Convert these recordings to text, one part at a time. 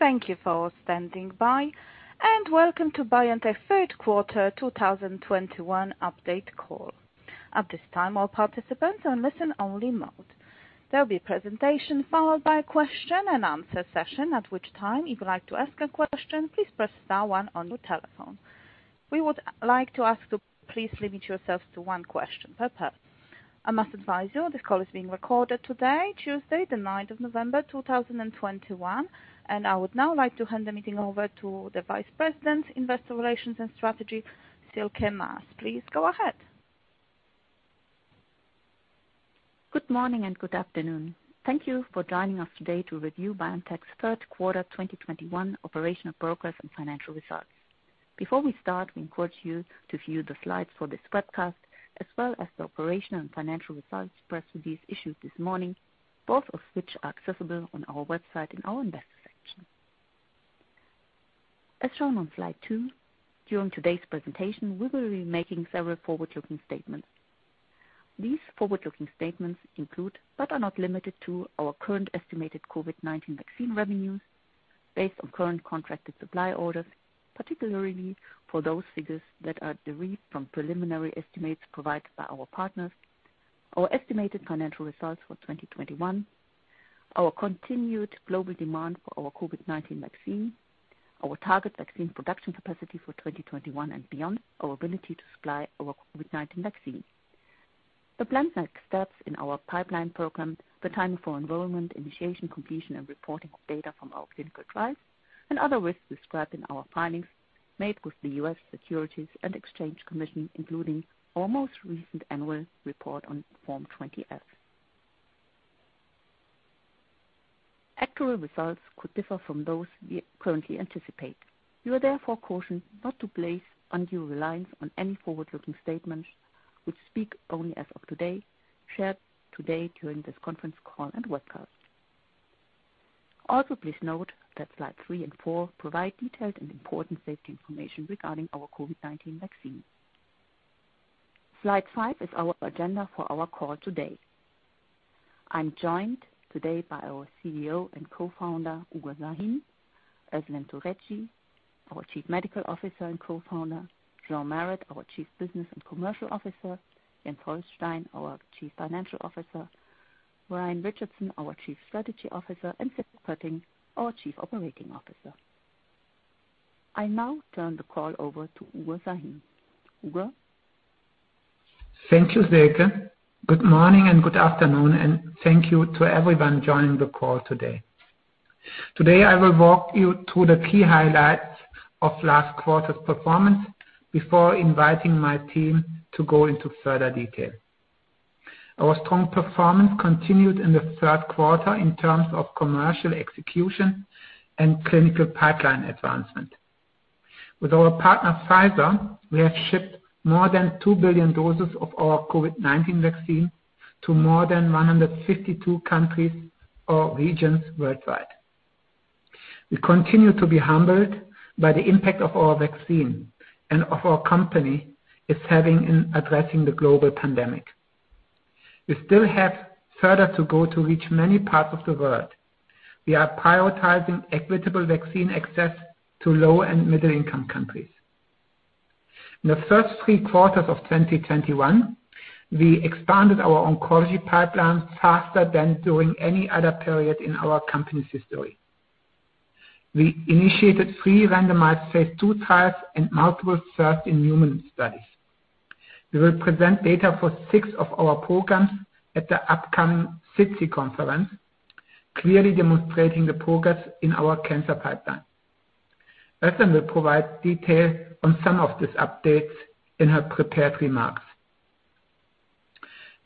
Thank you for standing by, and welcome to BioNTech Third Quarter 2021 update call. At this time, all participants are in listen only mode. There'll be a presentation followed by a question and answer session, at which time if you'd like to ask a question, please press star one on your telephone. We would like to ask to please limit yourself to one question per person. I must advise you, this call is being recorded today, Tuesday, the 9th of November, 2021. I would now like to hand the meeting over to the Vice President, Investor Relations and Strategy, Sylke Maas. Please go ahead. Good morning and good afternoon. Thank you for joining us today to review BioNTech's third quarter 2021 operational progress and financial results. Before we start, we encourage you to view the slides for this webcast, as well as the operational and financial results press release issued this morning, both of which are accessible on our website in our investor section. As shown on slide two, during today's presentation, we will be making several forward-looking statements. These forward-looking statements include, but are not limited to, our current estimated COVID-19 vaccine revenues based on current contracted supply orders, particularly for those figures that are derived from preliminary estimates provided by our partners. Our estimated financial results for 2021. Our continued global demand for our COVID-19 vaccine. Our target vaccine production capacity for 2021 and beyond. Our ability to supply our COVID-19 vaccine. The planned next steps in our pipeline program. The timing for enrollment, initiation, completion, and reporting of data from our clinical trials. Other risks described in our filings made with the U.S. Securities and Exchange Commission, including our most recent annual report on Form 20-F. Actual results could differ from those we currently anticipate. You are therefore cautioned not to place undue reliance on any forward-looking statements which speak only as of today, shared today during this conference call and webcast. Also, please note that slides three and four provide detailed and important safety information regarding our COVID-19 vaccine. Slide five is our agenda for our call today. I'm joined today by our CEO and Co-founder, Ugur Sahin, Özlem Türeci, our Chief Medical Officer and Co-founder, Sean Marett, our Chief Business and Commercial Officer, Jens Holstein, our Chief Financial Officer, Ryan Richardson, our Chief Strategy Officer, and Sierk Poetting, our Chief Operating Officer. I now turn the call over to Ugur Sahin. Ugur? Thank you, Sylke. Good morning and good afternoon, and thank you to everyone joining the call today. Today, I will walk you through the key highlights of last quarter's performance before inviting my team to go into further detail. Our strong performance continued in the third quarter in terms of commercial execution and clinical pipeline advancement. With our partner, Pfizer, we have shipped more than 2 billion doses of our COVID-19 vaccine to more than 152 countries or regions worldwide. We continue to be humbled by the impact of our vaccine and of our company's having in addressing the global pandemic. We still have further to go to reach many parts of the world. We are prioritizing equitable vaccine access to low and middle-income countries. In the first three quarters of 2021, we expanded our oncology pipeline faster than during any other period in our company's history. We initiated three randomized phase II trials and multiple first-in-human studies. We will present data for six of our programs at the upcoming SITC Conference, clearly demonstrating the progress in our cancer pipeline. Özlem will provide detail on some of these updates in her prepared remarks.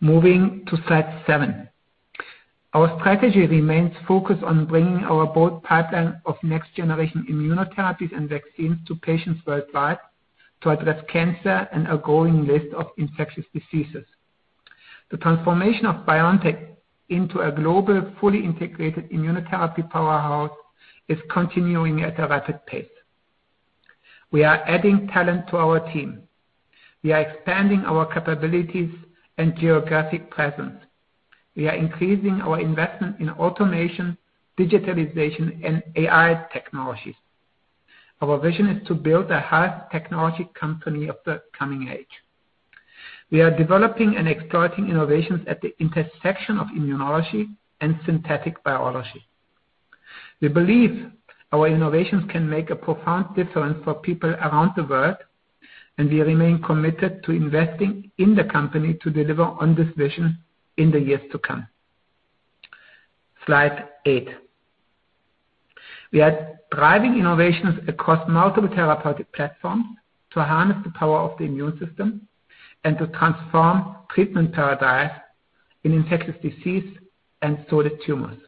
Moving to slide seven. Our strategy remains focused on bringing our bold pipeline of next generation immunotherapies and vaccines to patients worldwide to address cancer and a growing list of infectious diseases. The transformation of BioNTech into a global, fully integrated immunotherapy powerhouse is continuing at a rapid pace. We are adding talent to our team. We are expanding our capabilities and geographic presence. We are increasing our investment in automation, digitalization, and AI technologies. Our vision is to build a health technology company of the coming age. We are developing and exploiting innovations at the intersection of immunology and synthetic biology. We believe our innovations can make a profound difference for people around the world, and we remain committed to investing in the company to deliver on this vision in the years to come. Slide eight. We are driving innovations across multiple therapeutic platforms to harness the power of the immune system and to transform treatment paradigms in infectious disease and solid tumors.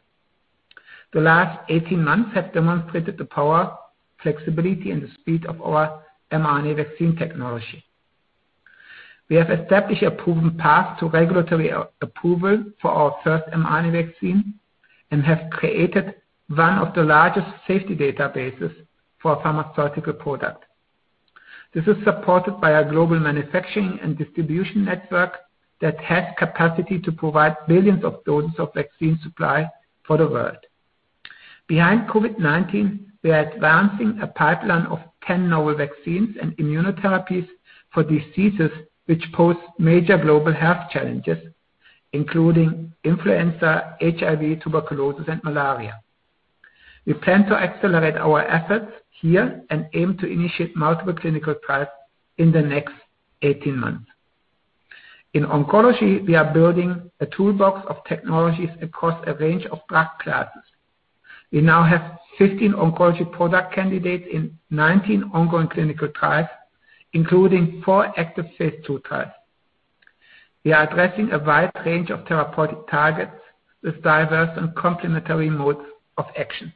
The last 18 months have demonstrated the power, flexibility, and the speed of our mRNA vaccine technology. We have established a proven path to regulatory approval for our first mRNA vaccine and have created one of the largest safety databases for a pharmaceutical product. This is supported by our global manufacturing and distribution network that has capacity to provide billions of doses of vaccine supply for the world. Behind COVID-19, we are advancing a pipeline of 10 novel vaccines and immunotherapies for diseases which pose major global health challenges, including influenza, HIV, tuberculosis, and malaria. We plan to accelerate our efforts here and aim to initiate multiple clinical trials in the next 18 months. In oncology, we are building a toolbox of technologies across a range of drug classes. We now have 15 oncology product candidates in 19 ongoing clinical trials, including four active phase II trials. We are addressing a wide range of therapeutic targets with diverse and complementary modes of action.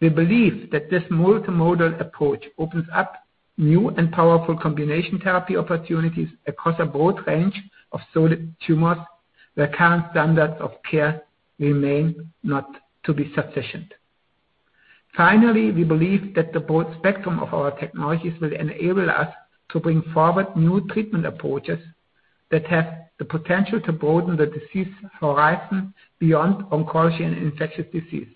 We believe that this multimodal approach opens up new and powerful combination therapy opportunities across a broad range of solid tumors, where current standards of care remain not to be sufficient. Finally, we believe that the broad spectrum of our technologies will enable us to bring forward new treatment approaches that have the potential to broaden the disease horizon beyond oncology and infectious disease,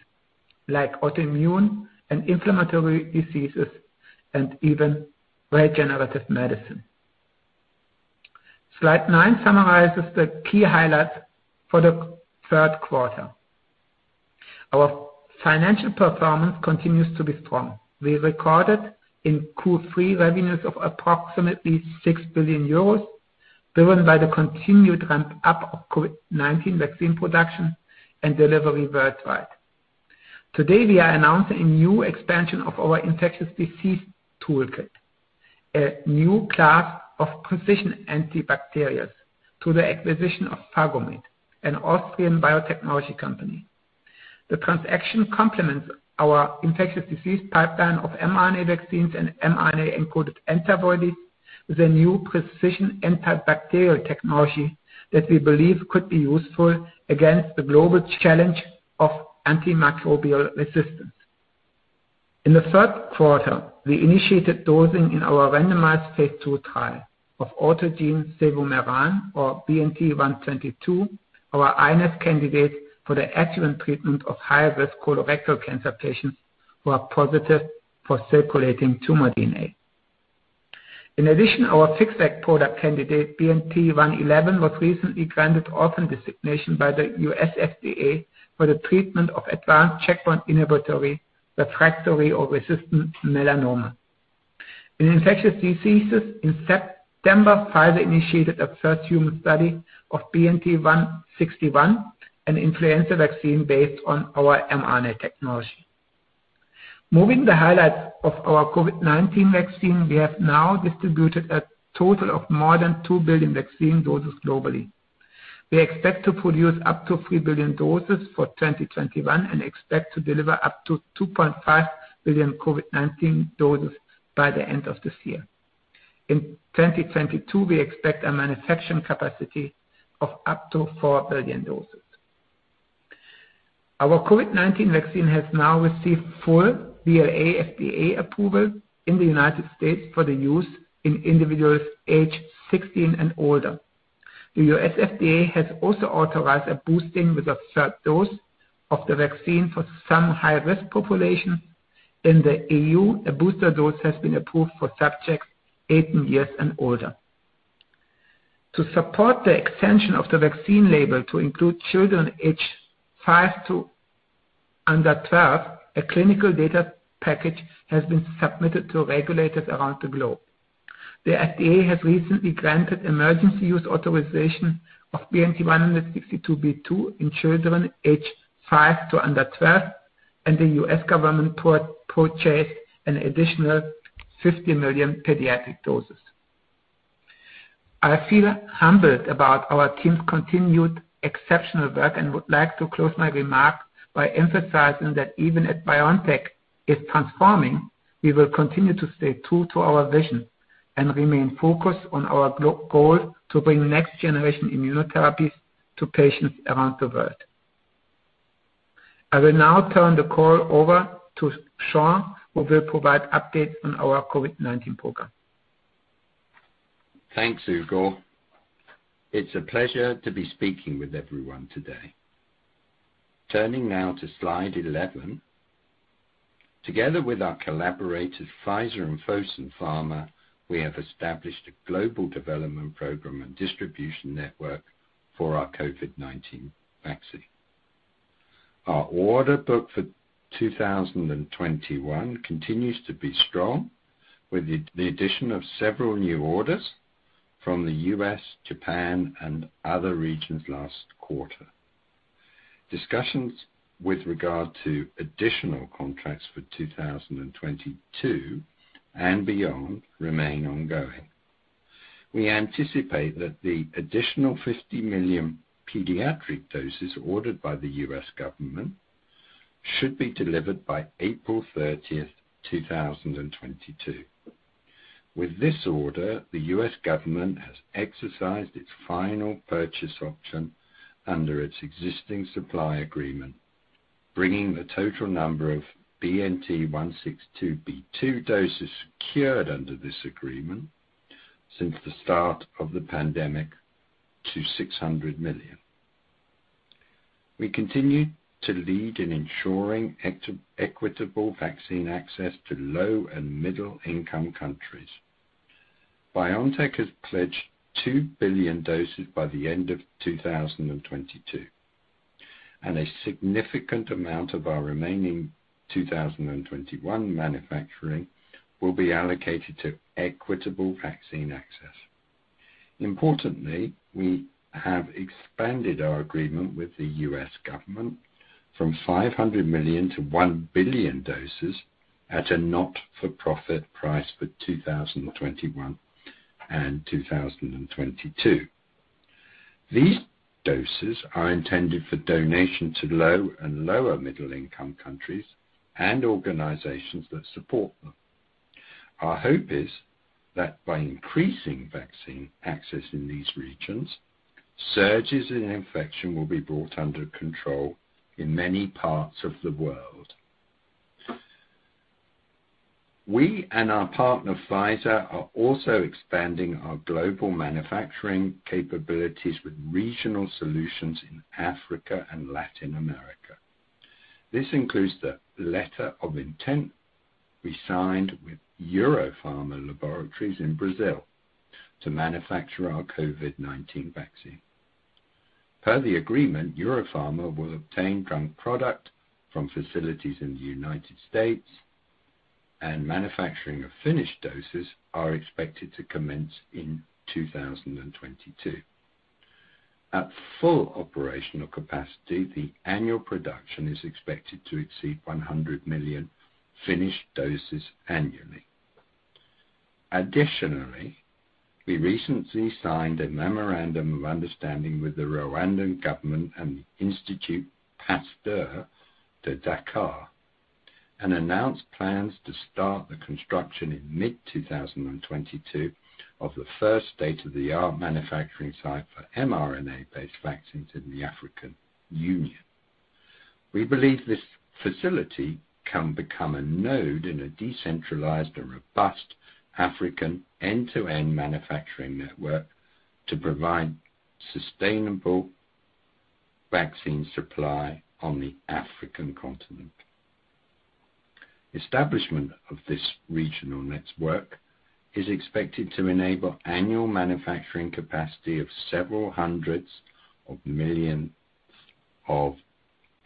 like autoimmune and inflammatory diseases, and even regenerative medicine. Slide nine summarizes the key highlights for the third quarter. Our financial performance continues to be strong. We recorded in Q3 revenues of approximately 6 billion euros, driven by the continued ramp-up of COVID-19 vaccine production and delivery worldwide. Today, we are announcing a new expansion of our infectious disease toolkit, a new class of precision antibacterials, through the acquisition of PhagoMed, an Austrian biotechnology company. The transaction complements our infectious disease pipeline of mRNA vaccines and mRNA-encoded antivirals with a new precision antibacterial technology that we believe could be useful against the global challenge of antimicrobial resistance. In the third quarter, we initiated dosing in our randomized phase II trial of autogene cevumeran, or BNT122, our iNeST candidate for the adjuvant treatment of high-risk colorectal cancer patients who are positive for circulating tumor DNA. In addition, our FixVac product candidate, BNT111, was recently granted orphan designation by the U.S. FDA for the treatment of advanced checkpoint inhibitor-refractory or resistant melanoma. In infectious diseases, in September, Pfizer initiated a first human study of BNT161, an influenza vaccine based on our mRNA technology. Moving the highlights of our COVID-19 vaccine, we have now distributed a total of more than 2 billion vaccine doses globally. We expect to produce up to 3 billion doses for 2021 and expect to deliver up to 2.5 billion COVID-19 doses by the end of this year. In 2022, we expect a manufacturing capacity of up to 4 billion doses. Our COVID-19 vaccine has now received full FDA approval in the United States for the use in individuals aged 16 and older. The U.S. FDA has also authorized a boosting with a third dose of the vaccine for some high-risk populations. In the E.U., a booster dose has been approved for subjects 18 years and older. To support the extension of the vaccine label to include children aged five to under 12, a clinical data package has been submitted to regulators around the globe. The FDA has recently granted emergency use authorization of BNT162b2 in children aged five to under 12, and the U.S. government purchased an additional 50 million pediatric doses. I feel humbled about our team's continued exceptional work and would like to close my remarks by emphasizing that even as BioNTech is transforming, we will continue to stay true to our vision and remain focused on our goal to bring next-generation immunotherapies to patients around the world. I will now turn the call over to Sean, who will provide updates on our COVID-19 program. Thanks, Ugur. It's a pleasure to be speaking with everyone today. Turning now to slide 11. Together with our collaborators, Pfizer and Fosun Pharma, we have established a global development program and distribution network for our COVID-19 vaccine. Our order book for 2021 continues to be strong, with the addition of several new orders from the U.S., Japan, and other regions last quarter. Discussions with regard to additional contracts for 2022 and beyond remain ongoing. We anticipate that the additional 50 million pediatric doses ordered by the U.S. government should be delivered by April 30th, 2022. With this order, the U.S. government has exercised its final purchase option under its existing supply agreement. Bringing the total number of BNT162b2 doses secured under this agreement since the start of the pandemic to 600 million. We continue to lead in ensuring equitable vaccine access to low and middle-income countries. BioNTech has pledged 2 billion doses by the end of 2022, and a significant amount of our remaining 2021 manufacturing will be allocated to equitable vaccine access. Importantly, we have expanded our agreement with the U.S. government from 500 million to 1 billion doses at a not-for-profit price for 2021 and 2022. These doses are intended for donation to low and lower-middle-income countries and organizations that support them. Our hope is that by increasing vaccine access in these regions, surges in infection will be brought under control in many parts of the world. We and our partner, Pfizer, are also expanding our global manufacturing capabilities with regional solutions in Africa and Latin America. This includes the letter of intent we signed with Eurofarma Laboratórios in Brazil to manufacture our COVID-19 vaccine. Per the agreement, Eurofarma will obtain bulk product from facilities in the United States, and manufacturing of finished doses are expected to commence in 2022. At full operational capacity, the annual production is expected to exceed 100 million finished doses annually. Additionally, we recently signed a memorandum of understanding with the Rwandan Government and Institut Pasteur de Dakar, and announced plans to start the construction in mid-2022 of the first state-of-the-art manufacturing site for mRNA-based vaccines in the African Union. We believe this facility can become a node in a decentralized and robust African end-to-end manufacturing network to provide sustainable vaccine supply on the African continent. Establishment of this regional network is expected to enable annual manufacturing capacity of several hundreds of millions of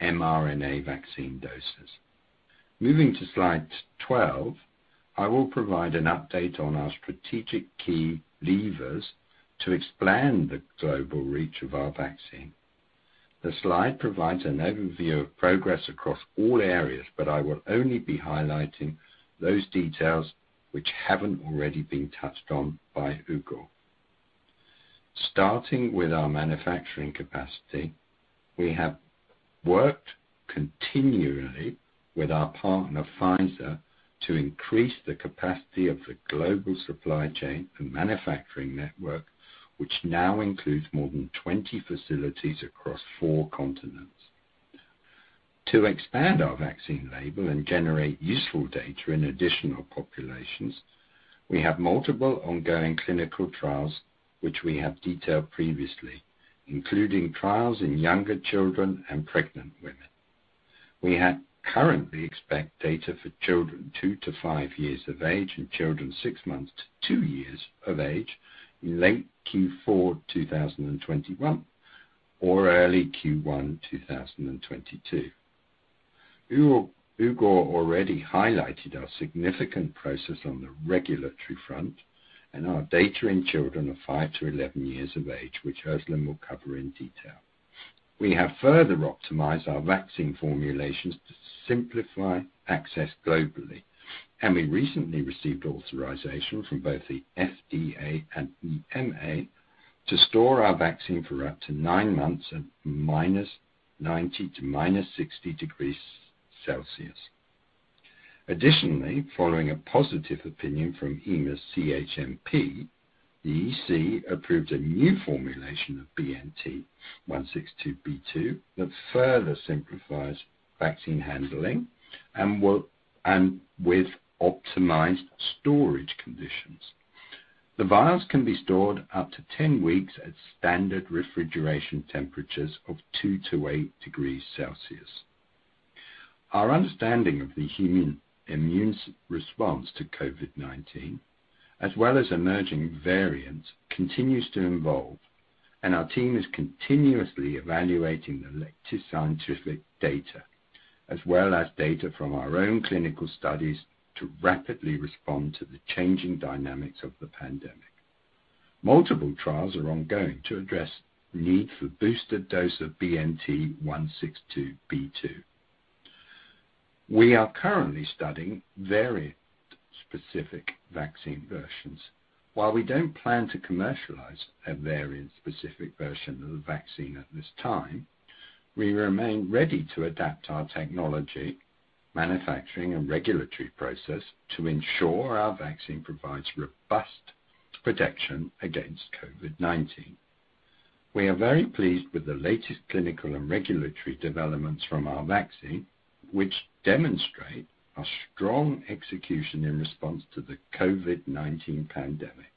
mRNA vaccine doses. Moving to slide 12, I will provide an update on our strategic key levers to expand the global reach of our vaccine. The slide provides an overview of progress across all areas, but I will only be highlighting those details which haven't already been touched on by Ugur. Starting with our manufacturing capacity, we have worked continually with our partner, Pfizer, to increase the capacity of the global supply chain and manufacturing network, which now includes more than 20 facilities across four continents. To expand our vaccine label and generate useful data in additional populations, we have multiple ongoing clinical trials which we have detailed previously, including trials in younger children and pregnant women. We currently expect data for children two-five years of age and children six months-two years of age in late Q4 2021 or early Q1 2022. Ugur already highlighted our significant process on the regulatory front and our data in children of five-11 years of age, which Özlem will cover in detail. We have further optimized our vaccine formulations to simplify access globally, and we recently received authorization from both the FDA and EMA to store our vaccine for up to nine months at -90 to -60 degrees Celsius. Additionally, following a positive opinion from EMA's CHMP, the EC approved a new formulation of BNT162b2 that further simplifies vaccine handling and with optimized storage conditions. The vials can be stored up to 10 weeks at standard refrigeration temperatures of two-eight degrees Celsius. Our understanding of the human immune response to COVID-19, as well as emerging variants, continues to evolve, and our team is continuously evaluating the latest scientific data as well as data from our own clinical studies to rapidly respond to the changing dynamics of the pandemic. Multiple trials are ongoing to address need for boosted dose of BNT162b2. We are currently studying variant-specific vaccine versions. While we don't plan to commercialize a variant-specific version of the vaccine at this time, we remain ready to adapt our technology, manufacturing and regulatory process to ensure our vaccine provides robust protection against COVID-19. We are very pleased with the latest clinical and regulatory developments from our vaccine, which demonstrate a strong execution in response to the COVID-19 pandemic.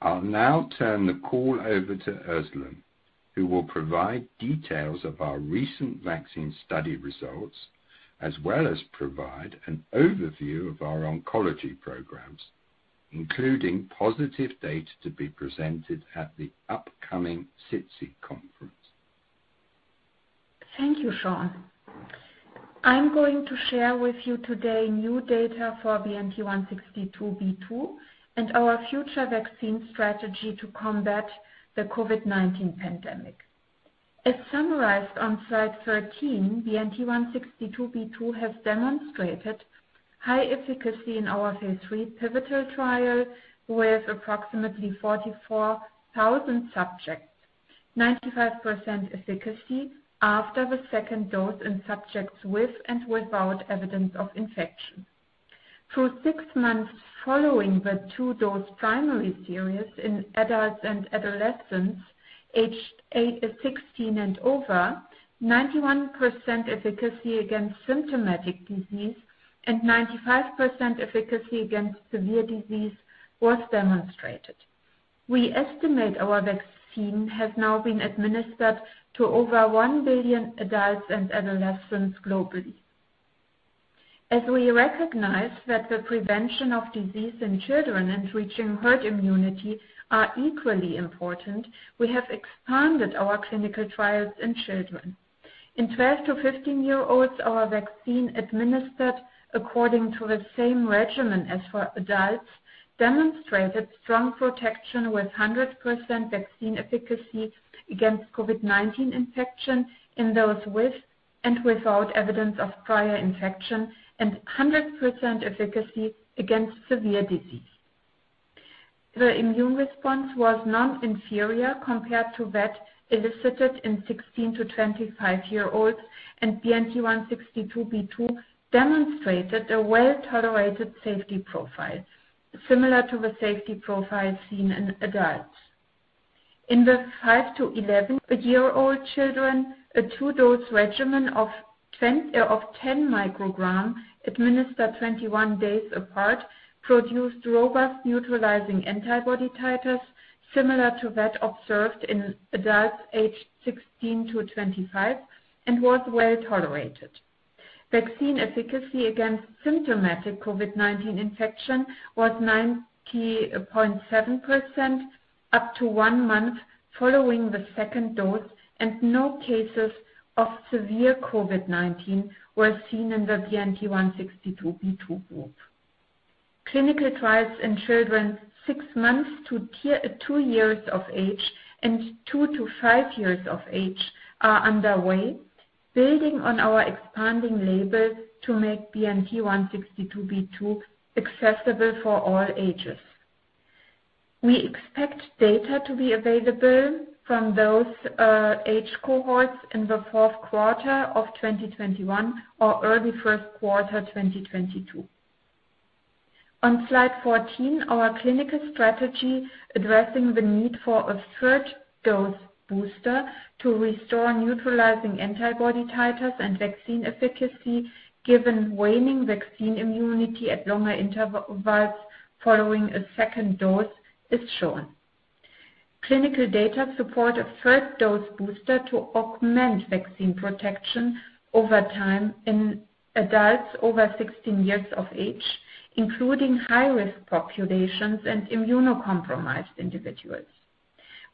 I'll now turn the call over to Özlem, who will provide details of our recent vaccine study results, as well as provide an overview of our oncology programs, including positive data to be presented at the upcoming SITC conference. Thank you, Sean. I'm going to share with you today new data for BNT162b2 and our future vaccine strategy to combat the COVID-19 pandemic. As summarized on slide 13, BNT162b2 has demonstrated high efficacy in our phase III pivotal trial with approximately 44,000 subjects, 95% efficacy after the second dose in subjects with and without evidence of infection. Through six months following the two-dose primary series in adults and adolescents aged eight to 16 and over, 91% efficacy against symptomatic disease and 95% efficacy against severe disease was demonstrated. We estimate our vaccine has now been administered to over 1 billion adults and adolescents globally. We recognize that the prevention of disease in children and reaching herd immunity are equally important, we have expanded our clinical trials in children. In 12- to 15-year-olds, our vaccine administered according to the same regimen as for adults demonstrated strong protection with 100% vaccine efficacy against COVID-19 infection in those with and without evidence of prior infection, and 100% efficacy against severe disease. The immune response was non-inferior compared to that elicited in 16- to 25-year-olds, and BNT162b2 demonstrated a well-tolerated safety profile, similar to the safety profile seen in adults. In the five- to 11-year-old children, a two-dose regimen of 10 micrograms administered 21 days apart produced robust neutralizing antibody titers, similar to that observed in adults aged 16 to 25 and was well-tolerated. Vaccine efficacy against symptomatic COVID-19 infection was 90.7% up to one month following the second dose, and no cases of severe COVID-19 were seen in the BNT162b2 group. Clinical trials in children six months-two years of age and two-five years of age are underway, building on our expanding label to make BNT162b2 accessible for all ages. We expect data to be available from those age cohorts in the fourth quarter of 2021 or early first quarter 2022. On slide 14, our clinical strategy addressing the need for a third dose booster to restore neutralizing antibody titers and vaccine efficacy, given waning vaccine immunity at longer intervals following a second dose is shown. Clinical data support a third dose booster to augment vaccine protection over time in adults over 16 years of age, including high-risk populations and immunocompromised individuals.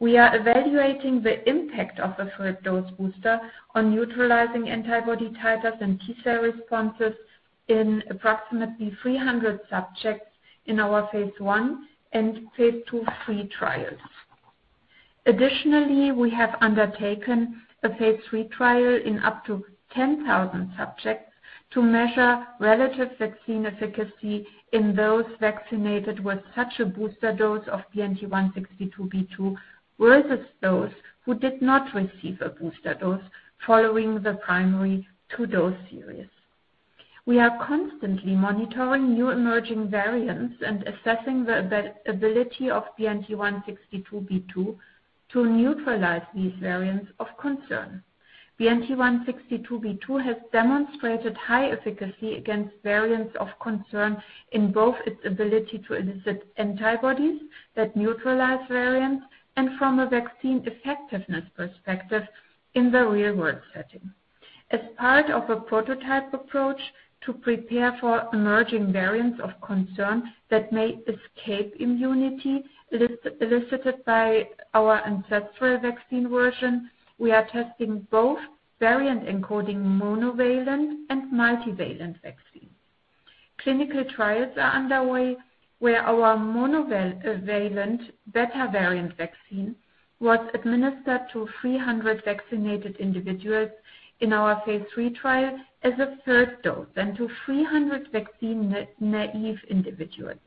We are evaluating the impact of a third dose booster on neutralizing antibody titers and T-cell responses in approximately 300 subjects in our phase I and phase II/III trials. Additionally, we have undertaken a phase III trial in up to 10,000 subjects to measure relative vaccine efficacy in those vaccinated with such a booster dose of BNT162b2, versus those who did not receive a booster dose following the primary two-dose series. We are constantly monitoring new emerging variants and assessing the ability of BNT162b2 to neutralize these variants of concern. BNT162b2 has demonstrated high efficacy against variants of concern in both its ability to elicit antibodies that neutralize variants and from a vaccine effectiveness perspective in the real-world setting. As part of a prototype approach to prepare for emerging variants of concern that may escape immunity elicited by our ancestral vaccine version, we are testing both variant encoding monovalent and multivalent vaccines. Clinical trials are underway where our monovalent Beta variant vaccine was administered to 300 vaccinated individuals in our phase III trial as a third dose, and to 300 vaccine-naive individuals.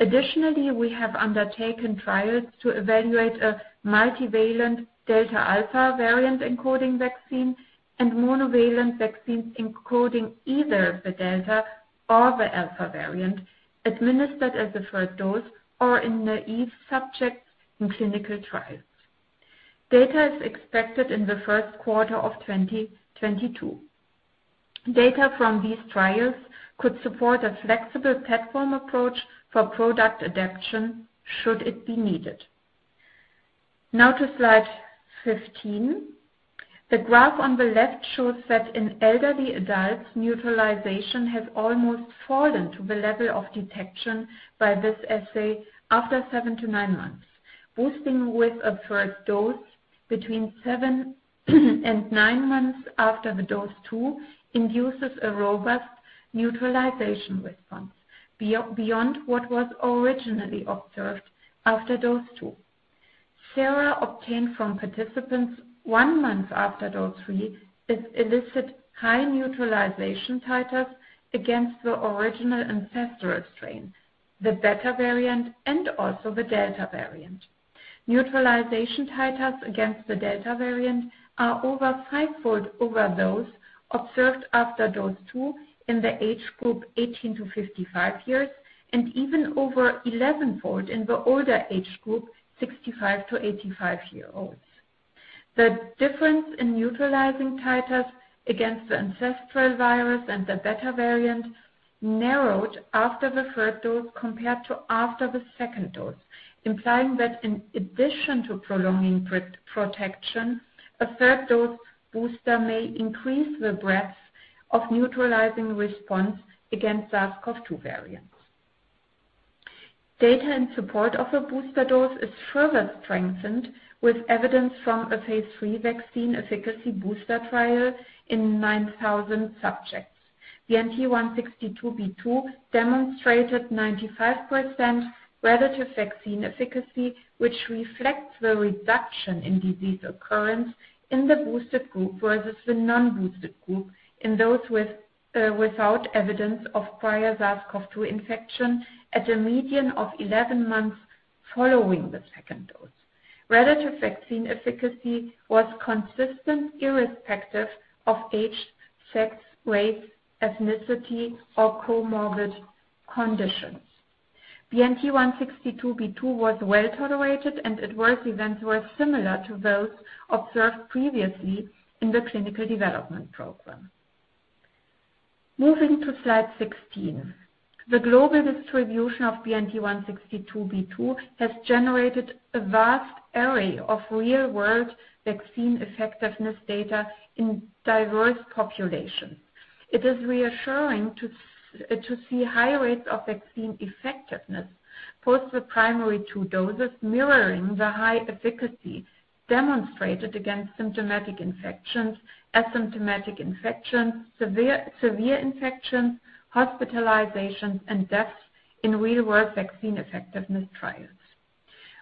Additionally, we have undertaken trials to evaluate a multivalent Delta/Alpha variant encoding vaccine and monovalent vaccines encoding either the Delta or the Alpha variant, administered as the first dose or in naive subjects in clinical trials. Data is expected in the first quarter of 2022. Data from these trials could support a flexible platform approach for product adaptation should it be needed. Now to slide 15. The graph on the left shows that in elderly adults, neutralization has almost fallen to the level of detection by this assay after seven-nine months. Boosting with a third dose between seven and nine months after the dose 2 induces a robust neutralization response beyond what was originally observed after dose 2. Sera obtained from participants one month after dose 3 is elicited high neutralization titers against the original ancestral strain, the Beta variant, and also the Delta variant. Neutralization titers against the Delta variant are over five-fold over those observed after dose 2 in the age group 18 to 55 years, and even over 11-fold in the older age group, 65- to 85-year-olds. The difference in neutralizing titers against the ancestral virus and the Beta variant narrowed after the third dose compared to after the second dose, implying that in addition to prolonging protection, a third dose booster may increase the breadth of neutralizing response against SARS-CoV-2 variants. Data in support of a booster dose is further strengthened with evidence from a phase III vaccine efficacy booster trial in 9,000 subjects. BNT162b2 demonstrated 95% relative vaccine efficacy, which reflects the reduction in disease occurrence in the boosted group versus the non-boosted group in those without evidence of prior SARS-CoV-2 infection at a median of 11 months following the second dose. Relative vaccine efficacy was consistent irrespective of age, sex, race, ethnicity, or comorbid conditions. BNT162b2 was well-tolerated, and adverse events were similar to those observed previously in the clinical development program. Moving to slide 16. The global distribution of BNT162b2 has generated a vast array of real-world vaccine effectiveness data in diverse populations. It is reassuring to see high rates of vaccine effectiveness post the primary two doses mirroring the high efficacy demonstrated against symptomatic infections, asymptomatic infections, severe infections, hospitalizations, and deaths in real-world vaccine effectiveness trials.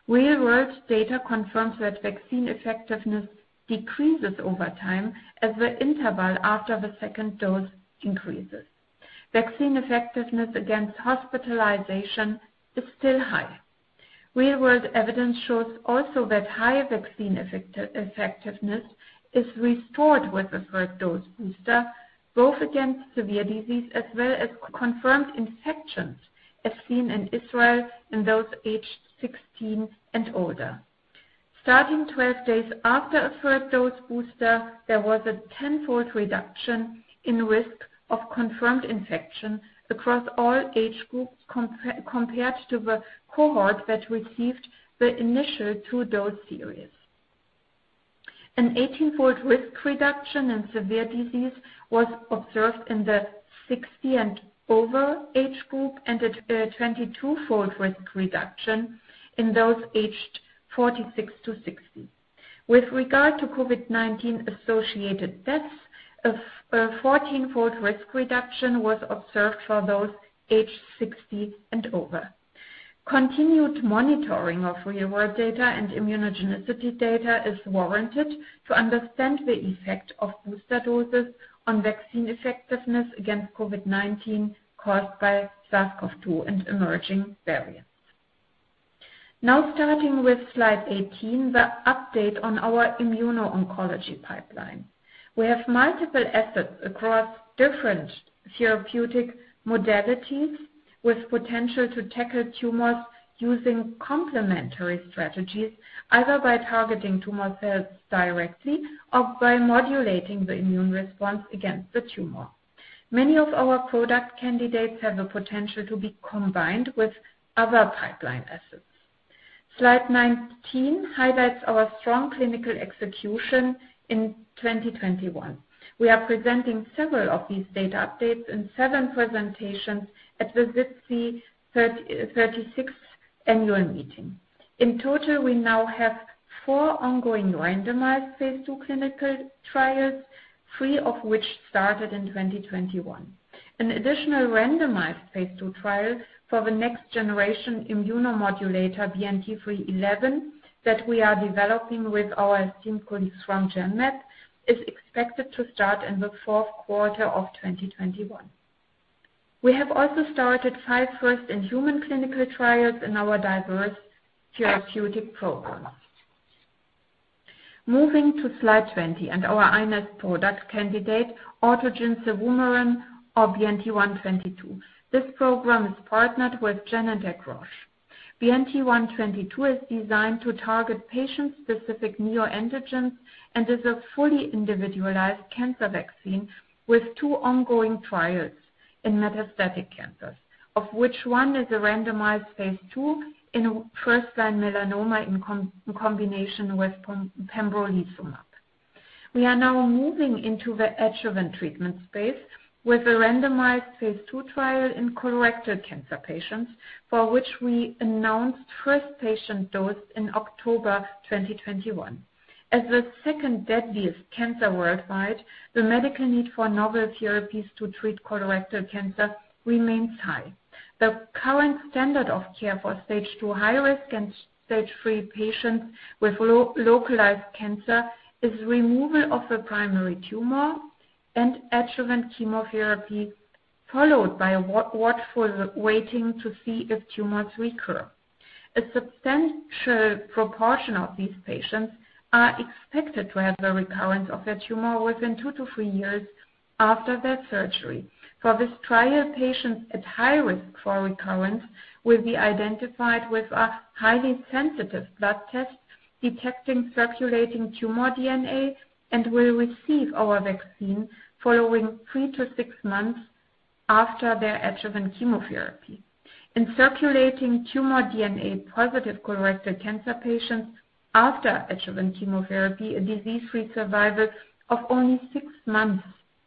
Real-world data confirms that vaccine effectiveness decreases over time as the interval after the second dose increases. Vaccine effectiveness against hospitalization is still high. Real-world evidence shows also that higher vaccine effectiveness is restored with a third dose booster, both against severe disease as well as confirmed infections as seen in Israel in those aged 16 and older. Starting 12 days after a third dose booster, there was a 10-fold reduction in risk of confirmed infection across all age groups compared to the cohort that received the initial two-dose series. An 18-fold risk reduction in severe disease was observed in the 60 and over age group, and a 22-fold risk reduction in those aged 46-60. With regard to COVID-19 associated deaths, a 14-fold risk reduction was observed for those aged 60 and over. Continued monitoring of real-world data and immunogenicity data is warranted to understand the effect of booster doses on vaccine effectiveness against COVID-19 caused by SARS-CoV-2 and emerging variants. Now starting with slide 18, the update on our immuno-oncology pipeline. We have multiple assets across different therapeutic modalities with potential to tackle tumors using complementary strategies, either by targeting tumor cells directly or by modulating the immune response against the tumor. Many of our product candidates have the potential to be combined with other pipeline assets. Slide 19 highlights our strong clinical execution in 2021. We are presenting several of these data updates in seven presentations at the SITC 36th annual meeting. In total, we now have four ongoing randomized phase II clinical trials, three of which started in 2021. An additional randomized phase II trial for the next generation immunomodulator BNT311 that we are developing with our esteemed colleagues from Genmab is expected to start in the fourth quarter of 2021. We have also started five first-in-human clinical trials in our diverse therapeutic programs. Moving to slide 20 and our iNeST product candidate, autogene cevumeran or BNT122. This program is partnered with Genentech, Roche. BNT122 is designed to target patient-specific neoantigens and is a fully individualized cancer vaccine with two ongoing trials in metastatic cancers, of which one is a randomized phase II in first-line melanoma in combination with pembrolizumab. We are now moving into the adjuvant treatment space with a randomized phase II trial in colorectal cancer patients, for which we announced first patient dose in October 2021. As the second deadliest cancer worldwide, the medical need for novel therapies to treat colorectal cancer remains high. The current standard of care for stage two high risk and stage three patients with localized cancer is removal of a primary tumor and adjuvant chemotherapy followed by a watchful waiting to see if tumors recur. A substantial proportion of these patients are expected to have a recurrence of their tumor within two-three years after their surgery. For this trial, patients at high risk for recurrence will be identified with a highly sensitive blood test detecting circulating tumor DNA and will receive our vaccine following three-six months after their adjuvant chemotherapy. In circulating tumor DNA-positive colorectal cancer patients after adjuvant chemotherapy, a disease-free survival of only six months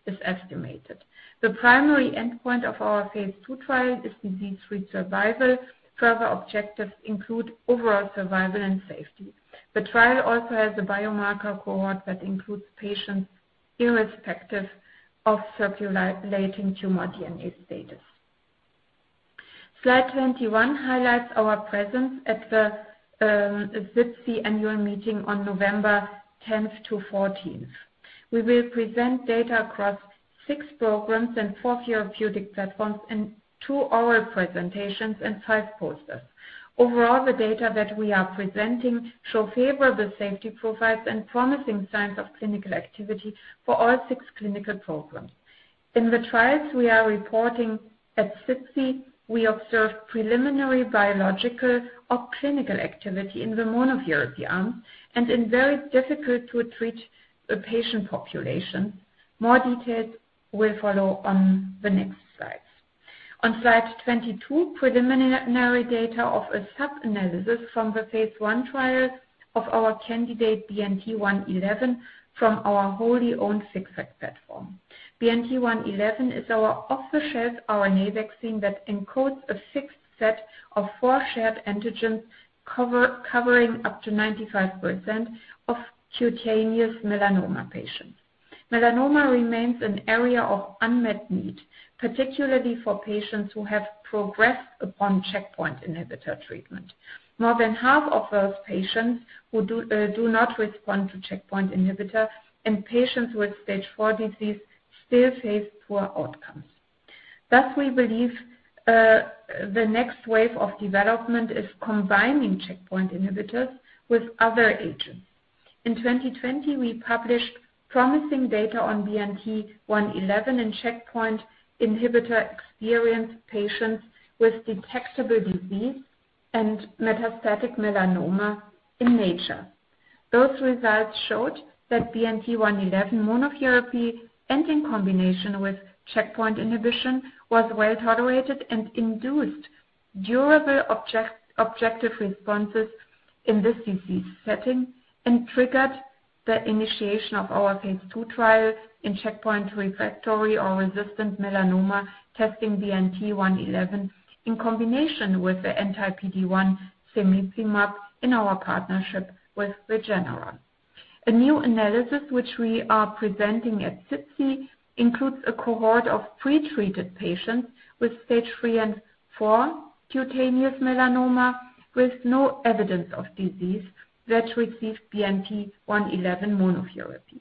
is estimated. The primary endpoint of our phase II trial is disease-free survival. Further objectives include overall survival and safety. The trial also has a biomarker cohort that includes patients irrespective of circulating tumor DNA status. Slide 21 highlights our presence at the SITC annual meeting on November 10th to 14th. We will present data across six programs and four therapeutic platforms in two oral presentations and five posters. Overall, the data that we are presenting show favorable safety profiles and promising signs of clinical activity for all six clinical programs. In the trials we are reporting at SITC, we observed preliminary biological or clinical activity in the monotherapy arm and in very difficult-to-treat patient population. More details will follow on the next slides. On slide 22, preliminary data of a sub-analysis from the phase I trial of our candidate BNT111 from our wholly owned FixVac platform. BNT111 is our off-the-shelf RNA vaccine that encodes a fixed set of four shared antigens covering up to 95% of cutaneous melanoma patients. Melanoma remains an area of unmet need, particularly for patients who have progressed upon checkpoint inhibitor treatment. More than half of those patients who do not respond to checkpoint inhibitor and patients with stage four disease still face poor outcomes. Thus, we believe the next wave of development is combining checkpoint inhibitors with other agents. In 2020, we published promising data on BNT111 in checkpoint inhibitor-experienced patients with detectable disease and metastatic melanoma in Nature. Those results showed that BNT111 monotherapy and in combination with checkpoint inhibition was well-tolerated and induced durable objective responses in this disease setting and triggered the initiation of our phase II trial in checkpoint refractory or resistant melanoma testing BNT111 in combination with the anti-PD-1 cemiplimab in our partnership with Regeneron. A new analysis which we are presenting at SITC includes a cohort of pretreated patients with stage three and four cutaneous melanoma with no evidence of disease that received BNT111 monotherapy.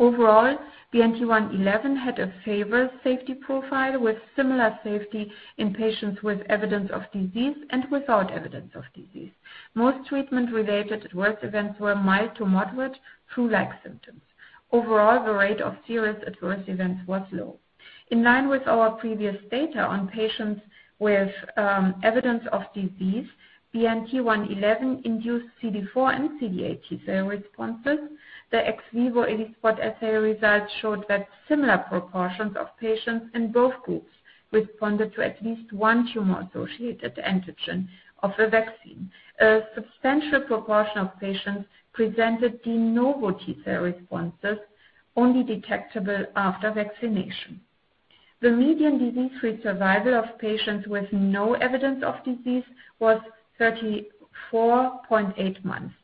Overall, BNT111 had a favorable safety profile with similar safety in patients with evidence of disease and without evidence of disease. Most treatment-related adverse events were mild to moderate flu-like symptoms. Overall, the rate of serious adverse events was low. In line with our previous data on patients with evidence of disease, BNT111 induced CD4 and CD8 T-cell responses. The ex vivo ELISpot assay results showed that similar proportions of patients in both groups responded to at least one tumor-associated antigen of the vaccine. A substantial proportion of patients presented de novo T-cell responses only detectable after vaccination. The median disease-free survival of patients with no evidence of disease was 34.8 months,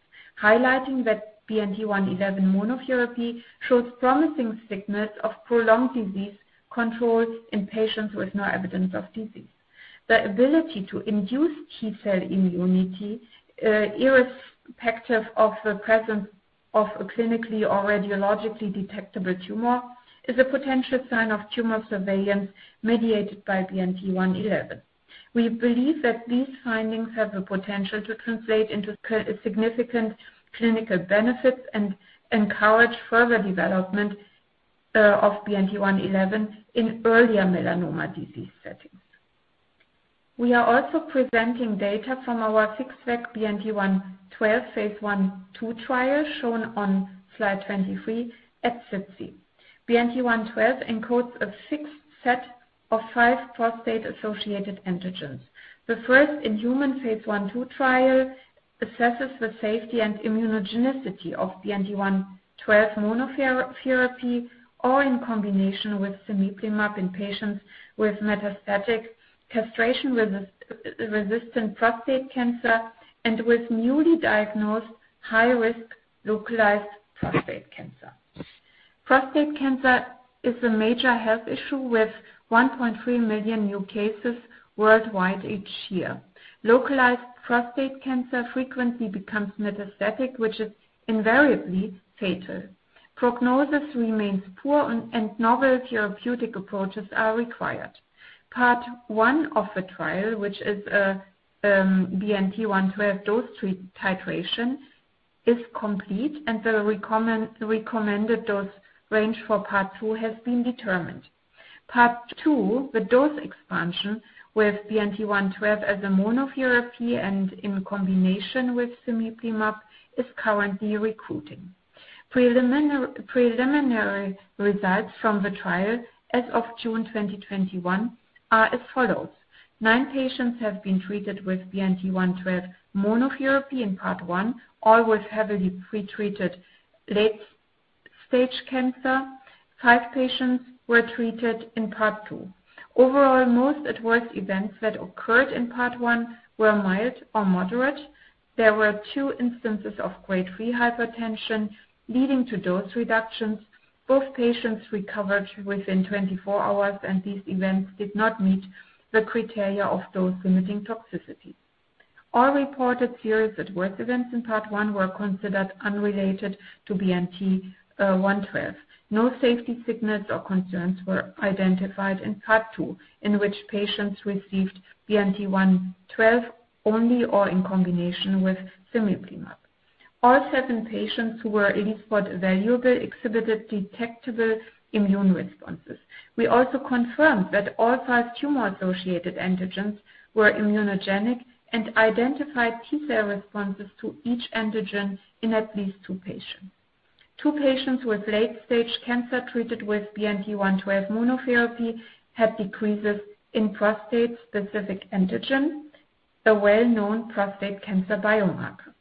highlighting that BNT111 monotherapy showed promising signals of prolonged disease controls in patients with no evidence of disease. The ability to induce T-cell immunity, irrespective of the presence of a clinically or radiologically detectable tumor is a potential sign of tumor surveillance mediated by BNT111. We believe that these findings have the potential to translate into significant clinical benefits and encourage further development, of BNT111 in earlier melanoma disease settings. We are also presenting data from our FixVac BNT112 phase I/II trial shown on slide 23 at SITC. BNT112 encodes a fixed set of five prostate-associated antigens. The first-in-human phase I/II trial assesses the safety and immunogenicity of BNT112 monotherapy, or in combination with cemiplimab in patients with metastatic castration-resistant prostate cancer and with newly diagnosed high-risk localized prostate cancer. Prostate cancer is a major health issue with 1.3 million new cases worldwide each year. Localized prostate cancer frequently becomes metastatic, which is invariably fatal. Prognosis remains poor and novel therapeutic approaches are required. Part one of the trial, BNT112 dose titration, is complete and the recommended dose range for part two has been determined. Part two, the dose expansion with BNT112 as a monotherapy and in combination with cemiplimab, is currently recruiting. Preliminary results from the trial as of June 2021 are as follows. Nine patients have been treated with BNT112 monotherapy in part one, all with heavily pretreated late-stage cancer. Five patients were treated in part two. Overall, most adverse events that occurred in part one were mild or moderate. There were two instances of grade 3 hypertension leading to dose reductions. Both patients recovered within 24 hours, and these events did not meet the criteria of dose-limiting toxicity. All reported serious adverse events in part one were considered unrelated to BNT112. No safety signals or concerns were identified in part two, in which patients received BNT112 only or in combination with cemiplimab. All seven patients who were eligible exhibited detectable immune responses. We also confirmed that all five tumor-associated antigens were immunogenic and identified T-cell responses to each antigen in at least two patients. Two patients with late-stage cancer treated with BNT112 monotherapy had decreases in prostate-specific antigen, a well-known prostate cancer biomarker.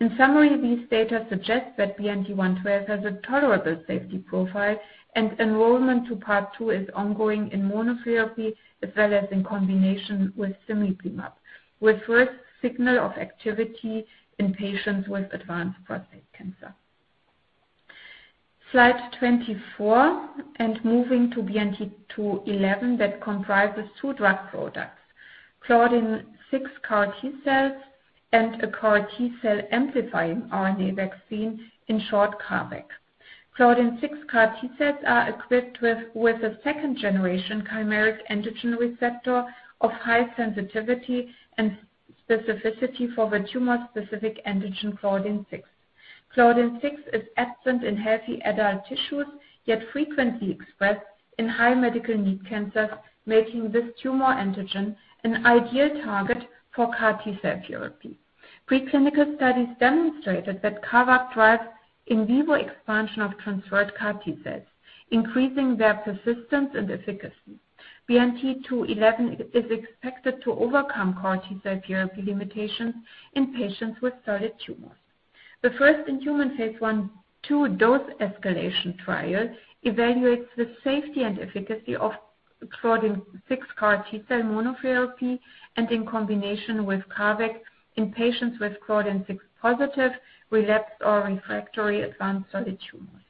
In summary, these data suggest that BNT112 has a tolerable safety profile and enrollment to part two is ongoing in monotherapy as well as in combination with cemiplimab, with first signal of activity in patients with advanced prostate cancer. Slide 24, moving to BNT211 that comprises two drug products, claudin-6 CAR T-cells and a CAR T-cell amplifying RNA vaccine, in short, CARVac. Claudin-6 CAR T-cells are equipped with a second-generation chimeric antigen receptor of high sensitivity and specificity for the tumor-specific antigen claudin-6. Claudin-6 is absent in healthy adult tissues, yet frequently expressed in high unmet need cancers, making this tumor antigen an ideal target for CAR T-cell therapy. Preclinical studies demonstrated that CARVac drives in vivo expansion of transferred CAR T-cells, increasing their persistence and efficacy. BNT211 is expected to overcome CAR-T therapy limitations in patients with solid tumors. The first-in-human phase I/II dose escalation trial evaluates the safety and efficacy of claudin-6 CAR T-cell monotherapy and in combination with CARVac in patients with claudin-6-positive relapsed or refractory advanced solid tumors.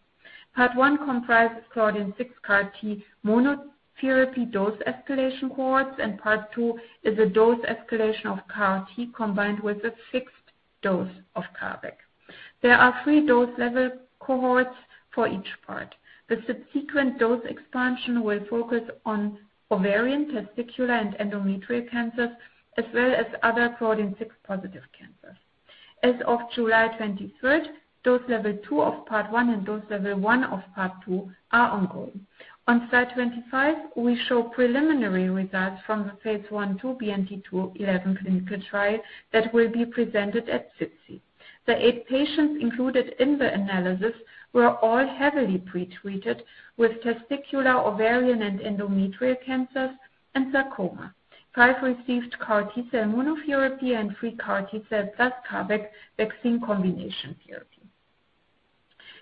Part one comprises claudin-6 CAR T monotherapy dose escalation cohorts, and part two is a dose escalation of CAR-T combined with a fixed dose of CARVac. There are three dose level cohorts for each part. The subsequent dose expansion will focus on ovarian, testicular, and endometrial cancers, as well as other claudin-6-positive cancers. As of July 23rd, dose level two of part one and dose level one of part two are ongoing. On slide 25, we show preliminary results from the phase I/II BNT211 clinical trial that will be presented at SITC. The eight patients included in the analysis were all heavily pretreated with testicular, ovarian, and endometrial cancers and sarcoma. Five received CAR-T cell monotherapy and three CAR-T cell plus CARVac vaccine combination therapy.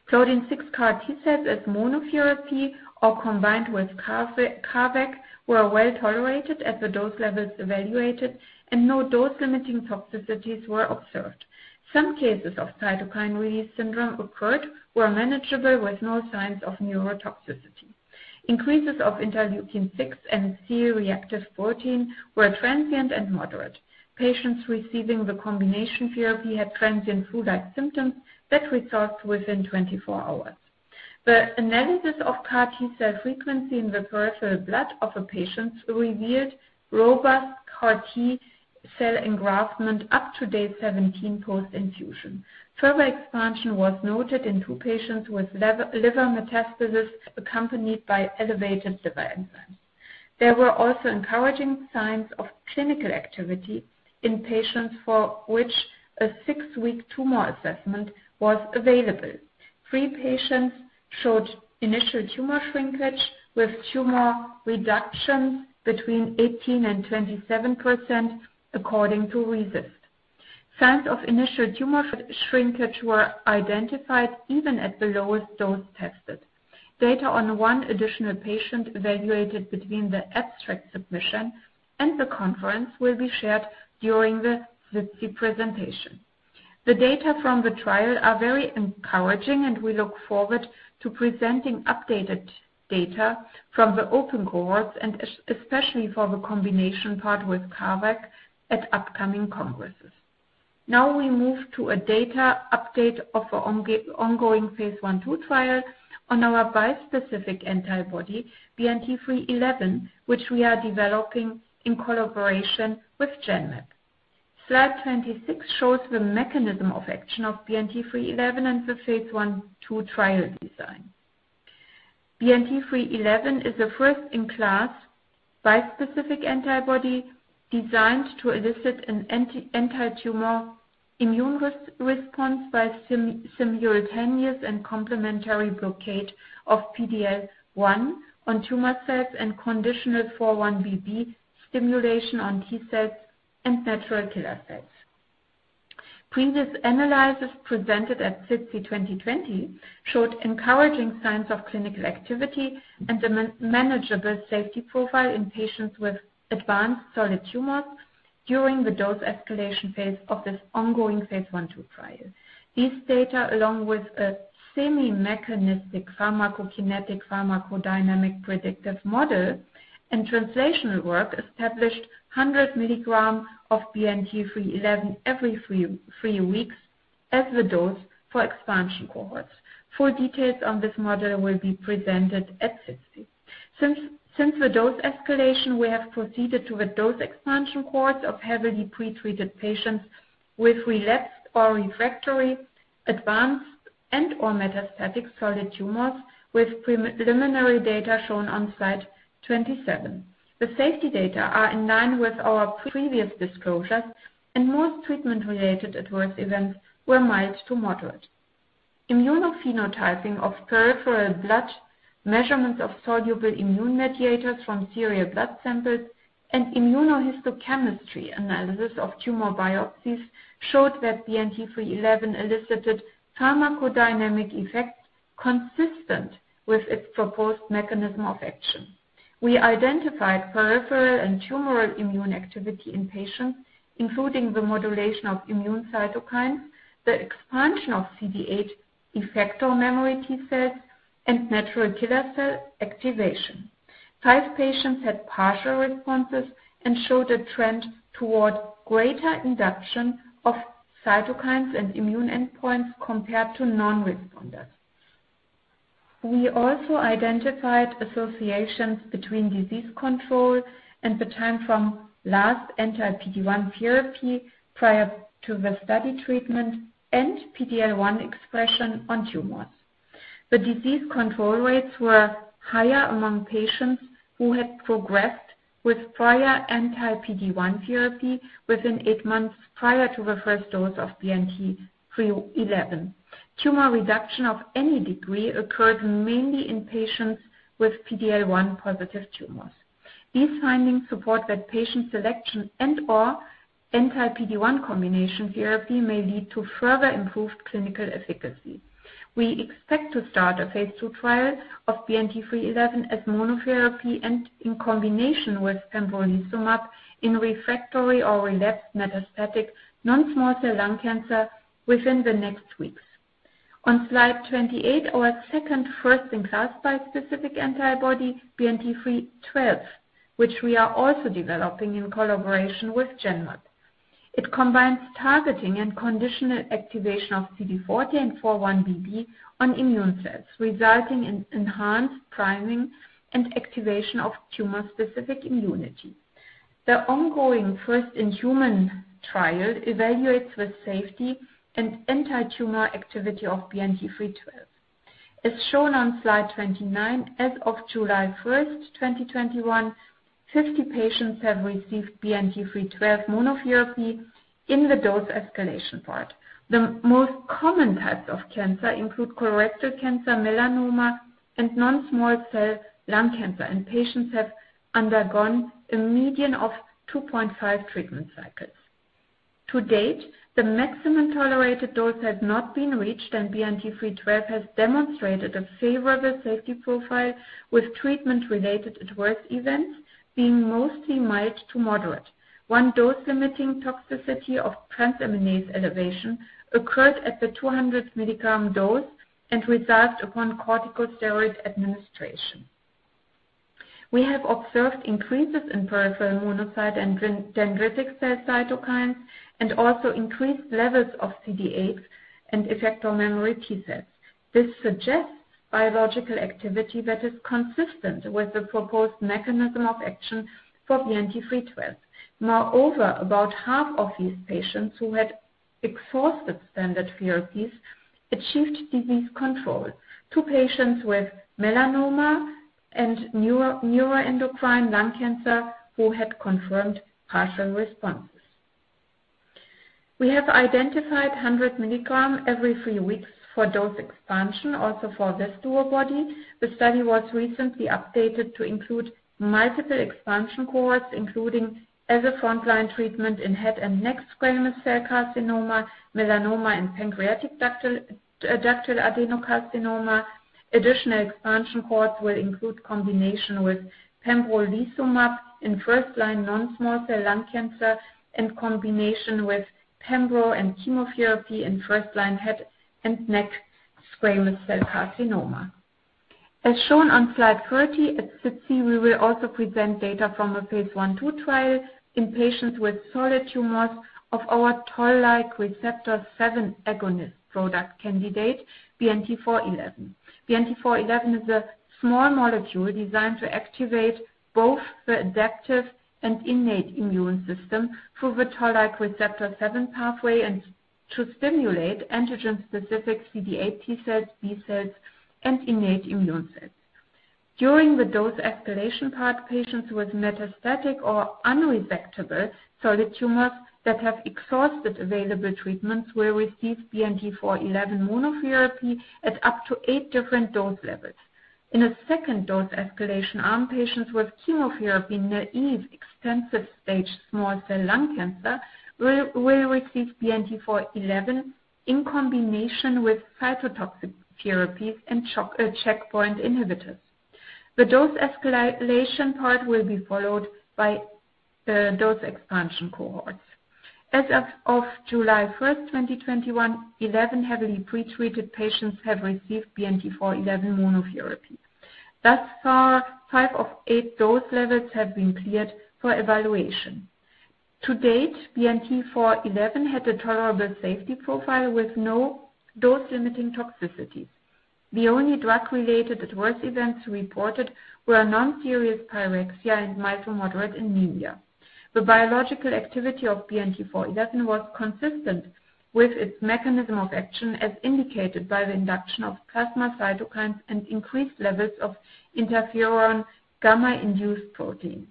Claudin-6 CAR T-cells as monotherapy or combined with CARVac were well-tolerated at the dose levels evaluated and no dose-limiting toxicities were observed. Some cases of cytokine release syndrome occurred, were manageable with no signs of neurotoxicity. Increases of interleukin-6 and C-reactive protein were transient and moderate. Patients receiving the combination therapy had transient flu-like symptoms that resolved within 24 hours. The analysis of CAR-T cell frequency in the peripheral blood of a patient revealed robust CAR-T cell engraftment up to day 17 post-infusion. Further expansion was noted in two patients with liver metastasis accompanied by elevated liver enzymes. There were also encouraging signs of clinical activity in patients for which a six-week tumor assessment was available. Three patients showed initial tumor shrinkage with tumor reductions between 18% and 27% according to RECIST. Signs of initial tumor shrinkage were identified even at the lowest dose tested. Data on one additional patient evaluated between the abstract submission and the conference will be shared during the SITC presentation. The data from the trial are very encouraging, and we look forward to presenting updated data from the open cohorts and especially for the combination part with CARVac at upcoming congresses. Now we move to a data update of our ongoing phase I/II trial on our bispecific antibody, BNT311, which we are developing in collaboration with Genmab. Slide 26 shows the mechanism of action of BNT311 and the phase I/II trial design. BNT311 is a first-in-class bispecific antibody designed to elicit an anti-tumor immune response by simultaneous and complementary blockade of PD-L1 on tumor cells and conditional 4-1BB stimulation on T cells and natural killer cells. Previous analysis presented at SITC 2020 showed encouraging signs of clinical activity and a manageable safety profile in patients with advanced solid tumors during the dose escalation phase of this ongoing phase I/II trial. These data, along with a semi-mechanistic pharmacokinetic pharmacodynamic predictive model and translational work, established 100 milligrams of BNT311 every three weeks as the dose for expansion cohorts. Full details on this model will be presented at SITC. Since the dose escalation, we have proceeded to the dose expansion cohorts of heavily pretreated patients with relapsed or refractory advanced and/or metastatic solid tumors with preliminary data shown on slide 27. The safety data are in line with our previous disclosures, and most treatment-related adverse events were mild to moderate. Immunophenotyping of peripheral blood, measurements of soluble immune mediators from serial blood samples, and immunohistochemistry analysis of tumor biopsies showed that BNT311 elicited pharmacodynamic effects consistent with its proposed mechanism of action. We identified peripheral and tumor immune activity in patients, including the modulation of immune cytokines, the expansion of CD8 effector memory T-cells, and natural killer cell activation. Five patients had partial responses and showed a trend toward greater induction of cytokines and immune endpoints compared to non-responders. We also identified associations between disease control and the time from last anti-PD-1 therapy prior to the study treatment and PD-L1 expression on tumors. The disease control rates were higher among patients who had progressed with prior anti-PD-1 therapy within eight months prior to the first dose of BNT311. Tumor reduction of any degree occurred mainly in patients with PD-L1-positive tumors. These findings support that patient selection and/or anti-PD-1 combination therapy may lead to further improved clinical efficacy. We expect to start a phase II trial of BNT311 as monotherapy and in combination with pembrolizumab in refractory or relapsed metastatic non-small cell lung cancer within the next weeks. On slide 28, our second first-in-class bispecific antibody, BNT312, which we are also developing in collaboration with Genmab. It combines targeting and conditional activation of CD40 and 4-1BB on immune cells, resulting in enhanced priming and activation of tumor-specific immunity. The ongoing first-in-human trial evaluates the safety and anti-tumor activity of BNT312. As shown on slide 29, as of July 1st, 2021, 50 patients have received BNT312 monotherapy in the dose escalation part. The most common types of cancer include colorectal cancer, melanoma, and non-small cell lung cancer, and patients have undergone a median of 2.5 treatment cycles. To date, the maximum tolerated dose has not been reached, and BNT312 has demonstrated a favorable safety profile, with treatment-related adverse events being mostly mild to moderate. One dose-limiting toxicity of transaminase elevation occurred at the 200 milligrams dose and resolved upon corticosteroid administration. We have observed increases in peripheral monocyte and dendritic cell cytokines, and also increased levels of CD8 and effector memory T-cells. This suggests biological activity that is consistent with the proposed mechanism of action for BNT312. Moreover, about half of these patients who had exhausted standard therapies achieved disease control, two patients with melanoma and neuroendocrine lung cancer who had confirmed partial responses. We have identified 100 mg every 3 weeks for dose expansion, also for this DuoBody. The study was recently updated to include multiple expansion cohorts, including as a frontline treatment in head and neck squamous cell carcinoma, melanoma and pancreatic ductal adenocarcinoma. Additional expansion cohorts will include combination with pembrolizumab in first-line non-small cell lung cancer, in combination with pembro and chemotherapy in first-line head and neck squamous cell carcinoma. As shown on slide 30, at SITC, we will also present data from a phase I/II trial in patients with solid tumors of our Toll-like receptor 7 agonist product candidate, BNT411. BNT411 is a small molecule designed to activate both the adaptive and innate immune system through the Toll-like receptor 7 pathway and to stimulate antigen-specific CD8 T-cells, B cells, and innate immune cells. During the dose escalation part, patients with metastatic or unresectable solid tumors that have exhausted available treatments will receive BNT411 monotherapy at up to eight different dose levels. In a second dose escalation arm, patients with chemotherapy-naive extensive stage small cell lung cancer will receive BNT411 in combination with cytotoxic therapies and checkpoint inhibitors. The dose escalation part will be followed by dose expansion cohorts. As of July 1st, 2021, 11 heavily pretreated patients have received BNT411 monotherapy. Thus far, five of eight dose levels have been cleared for evaluation. To date, BNT411 had a tolerable safety profile with no dose-limiting toxicity. The only drug-related adverse events reported were non-serious pyrexia and mild-to-moderate anemia. The biological activity of BNT411 was consistent with its mechanism of action, as indicated by the induction of plasma cytokines and increased levels of interferon gamma-induced protein.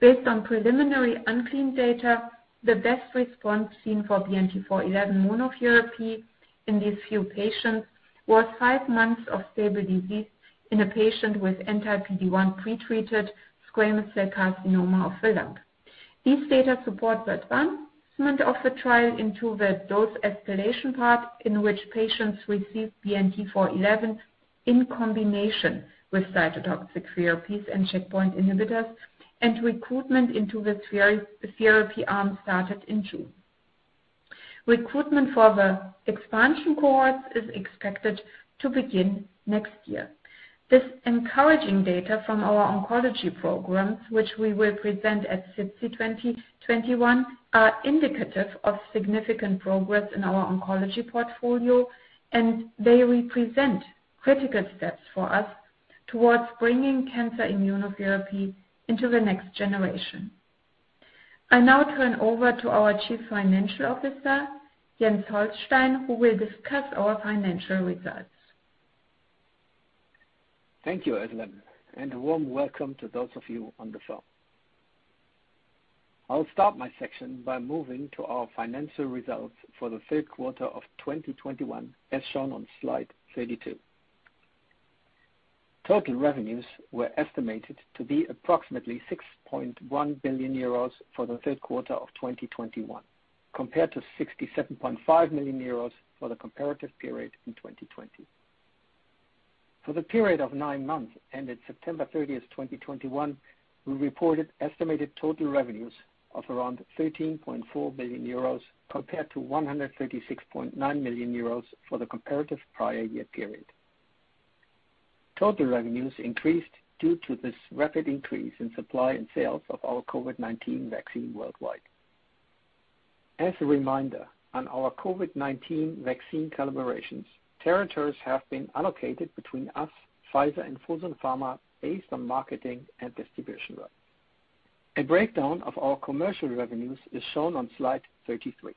Based on preliminary unconfirmed data, the best response seen for BNT411 monotherapy in these few patients was five months of stable disease in a patient with anti-PD-1 pretreated squamous cell carcinoma of the lung. These data support the advancement of the trial into the dose escalation part, in which patients received BNT411 in combination with cytotoxic therapies and checkpoint inhibitors, and recruitment into the therapy arm started in June. Recruitment for the expansion cohorts is expected to begin next year. This encouraging data from our oncology programs, which we will present at SITC 2021, are indicative of significant progress in our oncology portfolio, and they represent critical steps for us towards bringing cancer immunotherapy into the next generation. I now turn over to our Chief Financial Officer, Jens Holstein, who will discuss our financial results. Thank you, Özlem, and a warm welcome to those of you on the phone. I'll start my section by moving to our financial results for the third quarter of 2021, as shown on slide 32. Total revenues were estimated to be approximately 6.1 billion euros for the third quarter of 2021, compared to 67.5 million euros for the comparative period in 2020. For the period of nine months ended September 30th, 2021, we reported estimated total revenues of around 13.4 billion euros compared to 136.9 million euros for the comparative prior year period. Total revenues increased due to this rapid increase in supply and sales of our COVID-19 vaccine worldwide. As a reminder, on our COVID-19 vaccine collaborations, territories have been allocated between us, Pfizer and Fosun Pharma based on marketing and distribution rights. A breakdown of our commercial revenues is shown on slide 33.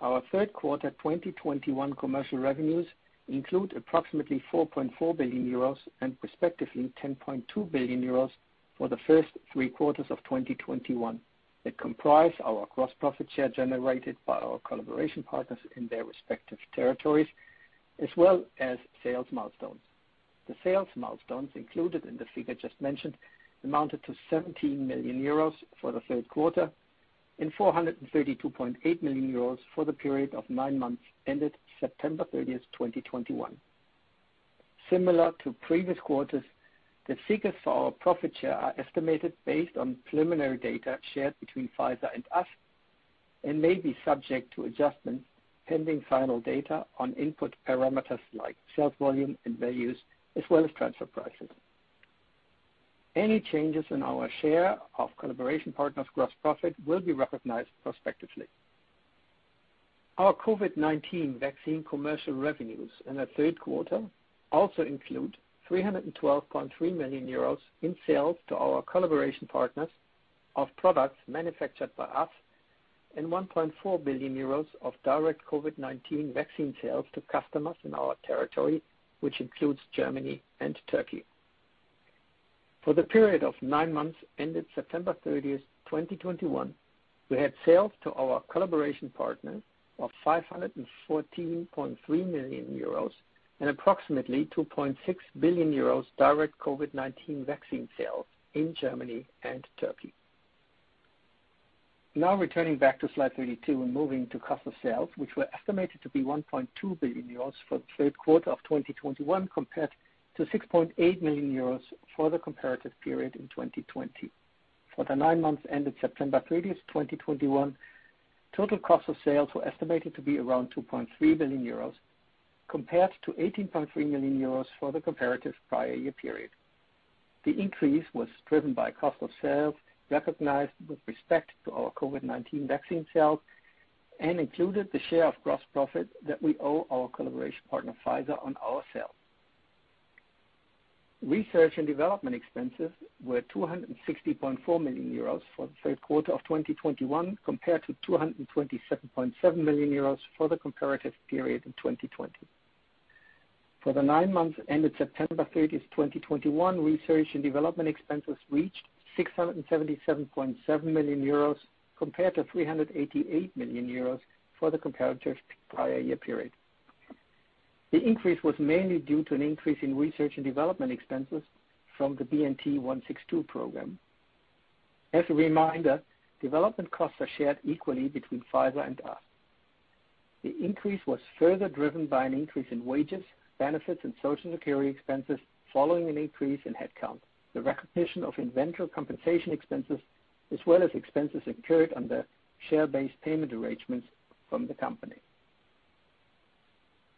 Our third quarter 2021 commercial revenues include approximately 4.4 billion euros and respectively 10.2 billion euros for the first three quarters of 2021, that comprise our gross profit share generated by our collaboration partners in their respective territories, as well as sales milestones. The sales milestones included in the figure just mentioned amounted to 17 million euros for the third quarter and 432.8 million euros for the period of nine months ended September 30th, 2021. Similar to previous quarters, the figures for our profit share are estimated based on preliminary data shared between Pfizer and us and may be subject to adjustments pending final data on input parameters like sales volume and values, as well as transfer prices. Any changes in our share of collaboration partners' gross profit will be recognized prospectively. Our COVID-19 vaccine commercial revenues in the third quarter also include 312.3 million euros in sales to our collaboration partners of products manufactured by us and 1.4 billion euros of direct COVID-19 vaccine sales to customers in our territory, which includes Germany and Turkey. For the period of nine months ended September 30th, 2021, we had sales to our collaboration partners of 514.3 million euros and approximately 2.6 billion euros direct COVID-19 vaccine sales in Germany and Turkey. Now returning back to slide 32 and moving to cost of sales, which were estimated to be 1.2 billion euros for the third quarter of 2021 compared to 6.8 million euros for the comparative period in 2020. For the nine months ended September 30th, 2021, total cost of sales were estimated to be around 2.3 billion euros compared to 18.3 million euros for the comparative prior year period. The increase was driven by cost of sales recognized with respect to our COVID-19 vaccine sales and included the share of gross profit that we owe our collaboration partner, Pfizer, on our sales. Research and development expenses were 260.4 million euros for the third quarter of 2021 compared to 227.7 million euros for the comparative period in 2020. For the nine months ended September 30th, 2021, research and development expenses reached 677.7 million euros compared to 388 million euros for the comparative prior year period. The increase was mainly due to an increase in research and development expenses from the BNT162 program. As a reminder, development costs are shared equally between Pfizer and us. The increase was further driven by an increase in wages, benefits, and Social Security expenses following an increase in headcount, the recognition of inventor compensation expenses, as well as expenses incurred under share-based payment arrangements from the company.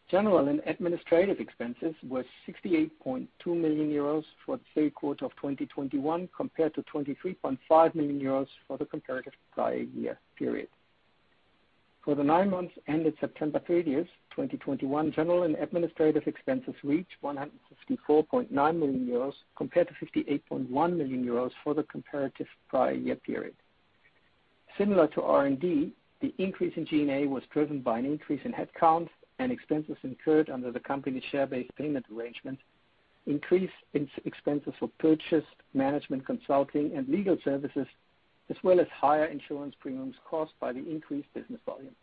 General and administrative expenses were 68.2 million euros for the third quarter of 2021 compared to 23.5 million euros for the comparative prior year period. For the nine months ended September 30th, 2021, general and administrative expenses reached 154.9 million euros compared to 58.1 million euros for the comparative prior year period. Similar to R&D, the increase in G&A was driven by an increase in headcount and expenses incurred under the company's share-based payment arrangement, increase in expenses for purchase, management, consulting, and legal services, as well as higher insurance premiums caused by the increased business volume.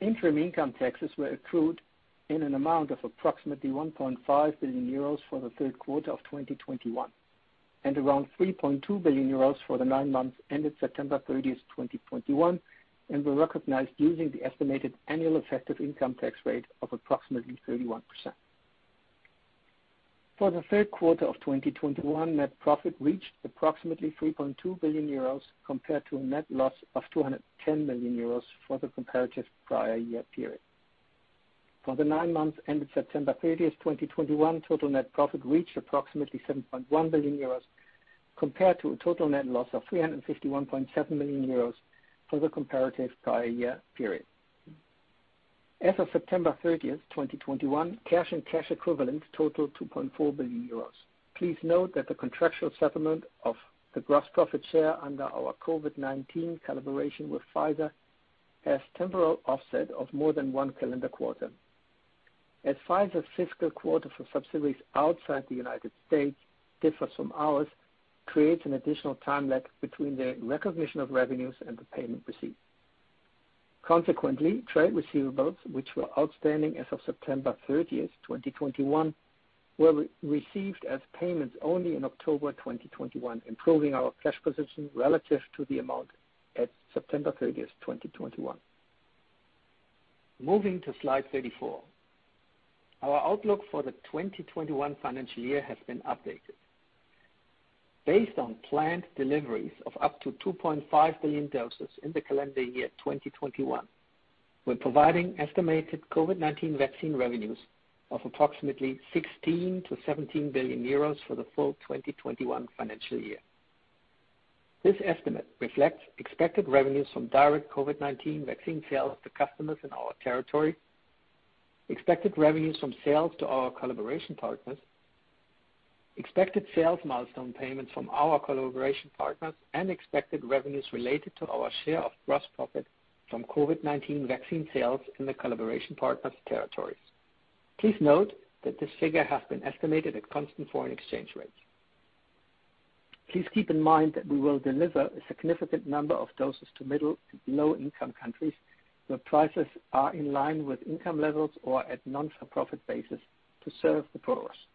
Interim income taxes were accrued in an amount of approximately 1.5 billion euros for the third quarter of 2021 and around 3.2 billion euros for the nine months ended September 30th, 2021, and were recognized using the estimated annual effective income tax rate of approximately 31%. For the third quarter of 2021, net profit reached approximately 3.2 billion euros compared to a net loss of 210 million euros for the comparative prior year period. For the nine months ended September 30th, 2021, total net profit reached approximately 7.1 billion euros compared to a total net loss of 351.7 million euros for the comparative prior year period. As of September 30th, 2021, cash and cash equivalents totaled 2.4 billion euros. Please note that the contractual settlement of the gross profit share under our COVID-19 collaboration with Pfizer has temporal offset of more than one calendar quarter. As Pfizer's fiscal quarter for subsidiaries outside the United States differs from ours, creates an additional time lag between the recognition of revenues and the payment received. Consequently, trade receivables, which were outstanding as of September 30th, 2021, were received as payments only in October 2021, improving our cash position relative to the amount at September 30th, 2021. Moving to slide 34. Our outlook for the 2021 financial year has been updated. Based on planned deliveries of up to 2.5 billion doses in the calendar year 2021, we're providing estimated COVID-19 vaccine revenues of approximately 16 billion-17 billion euros for the full 2021 financial year. This estimate reflects expected revenues from direct COVID-19 vaccine sales to customers in our territory, expected revenues from sales to our collaboration partners, expected sales milestone payments from our collaboration partners, and expected revenues related to our share of gross profit from COVID-19 vaccine sales in the collaboration partners' territories. Please note that this figure has been estimated at constant foreign exchange rates. Please keep in mind that we will deliver a significant number of doses to middle- to low-income countries where prices are in line with income levels or at non-for-profit basis to serve the poorest.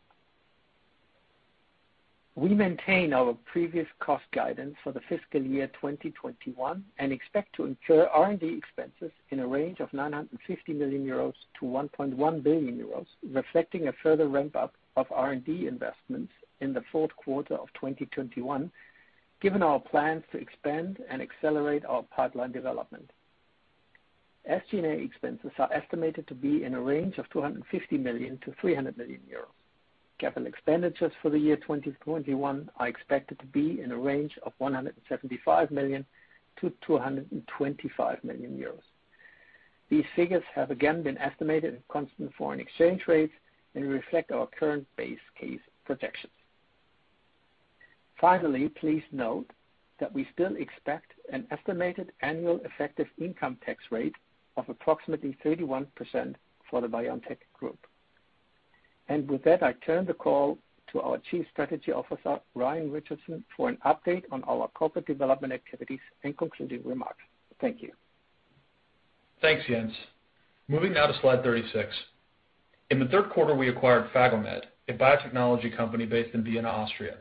We maintain our previous cost guidance for the fiscal year 2021 and expect to incur R&D expenses in a range of 950 million-1.1 billion euros, reflecting a further ramp-up of R&D investments in the fourth quarter of 2021, given our plans to expand and accelerate our pipeline development. SG&A expenses are estimated to be in a range of 250 million-300 million euro. Capital expenditures for the year 2021 are expected to be in a range of 175 million-225 million euros. These figures have again been estimated in constant foreign exchange rates and reflect our current base case projections. Finally, please note that we still expect an estimated annual effective income tax rate of approximately 31% for the BioNTech group. With that, I turn the call to our Chief Strategy Officer, Ryan Richardson, for an update on our corporate development activities and concluding remarks. Thank you. Thanks, Jens. Moving now to slide 36. In the third quarter, we acquired PhagoMed, a biotechnology company based in Vienna, Austria.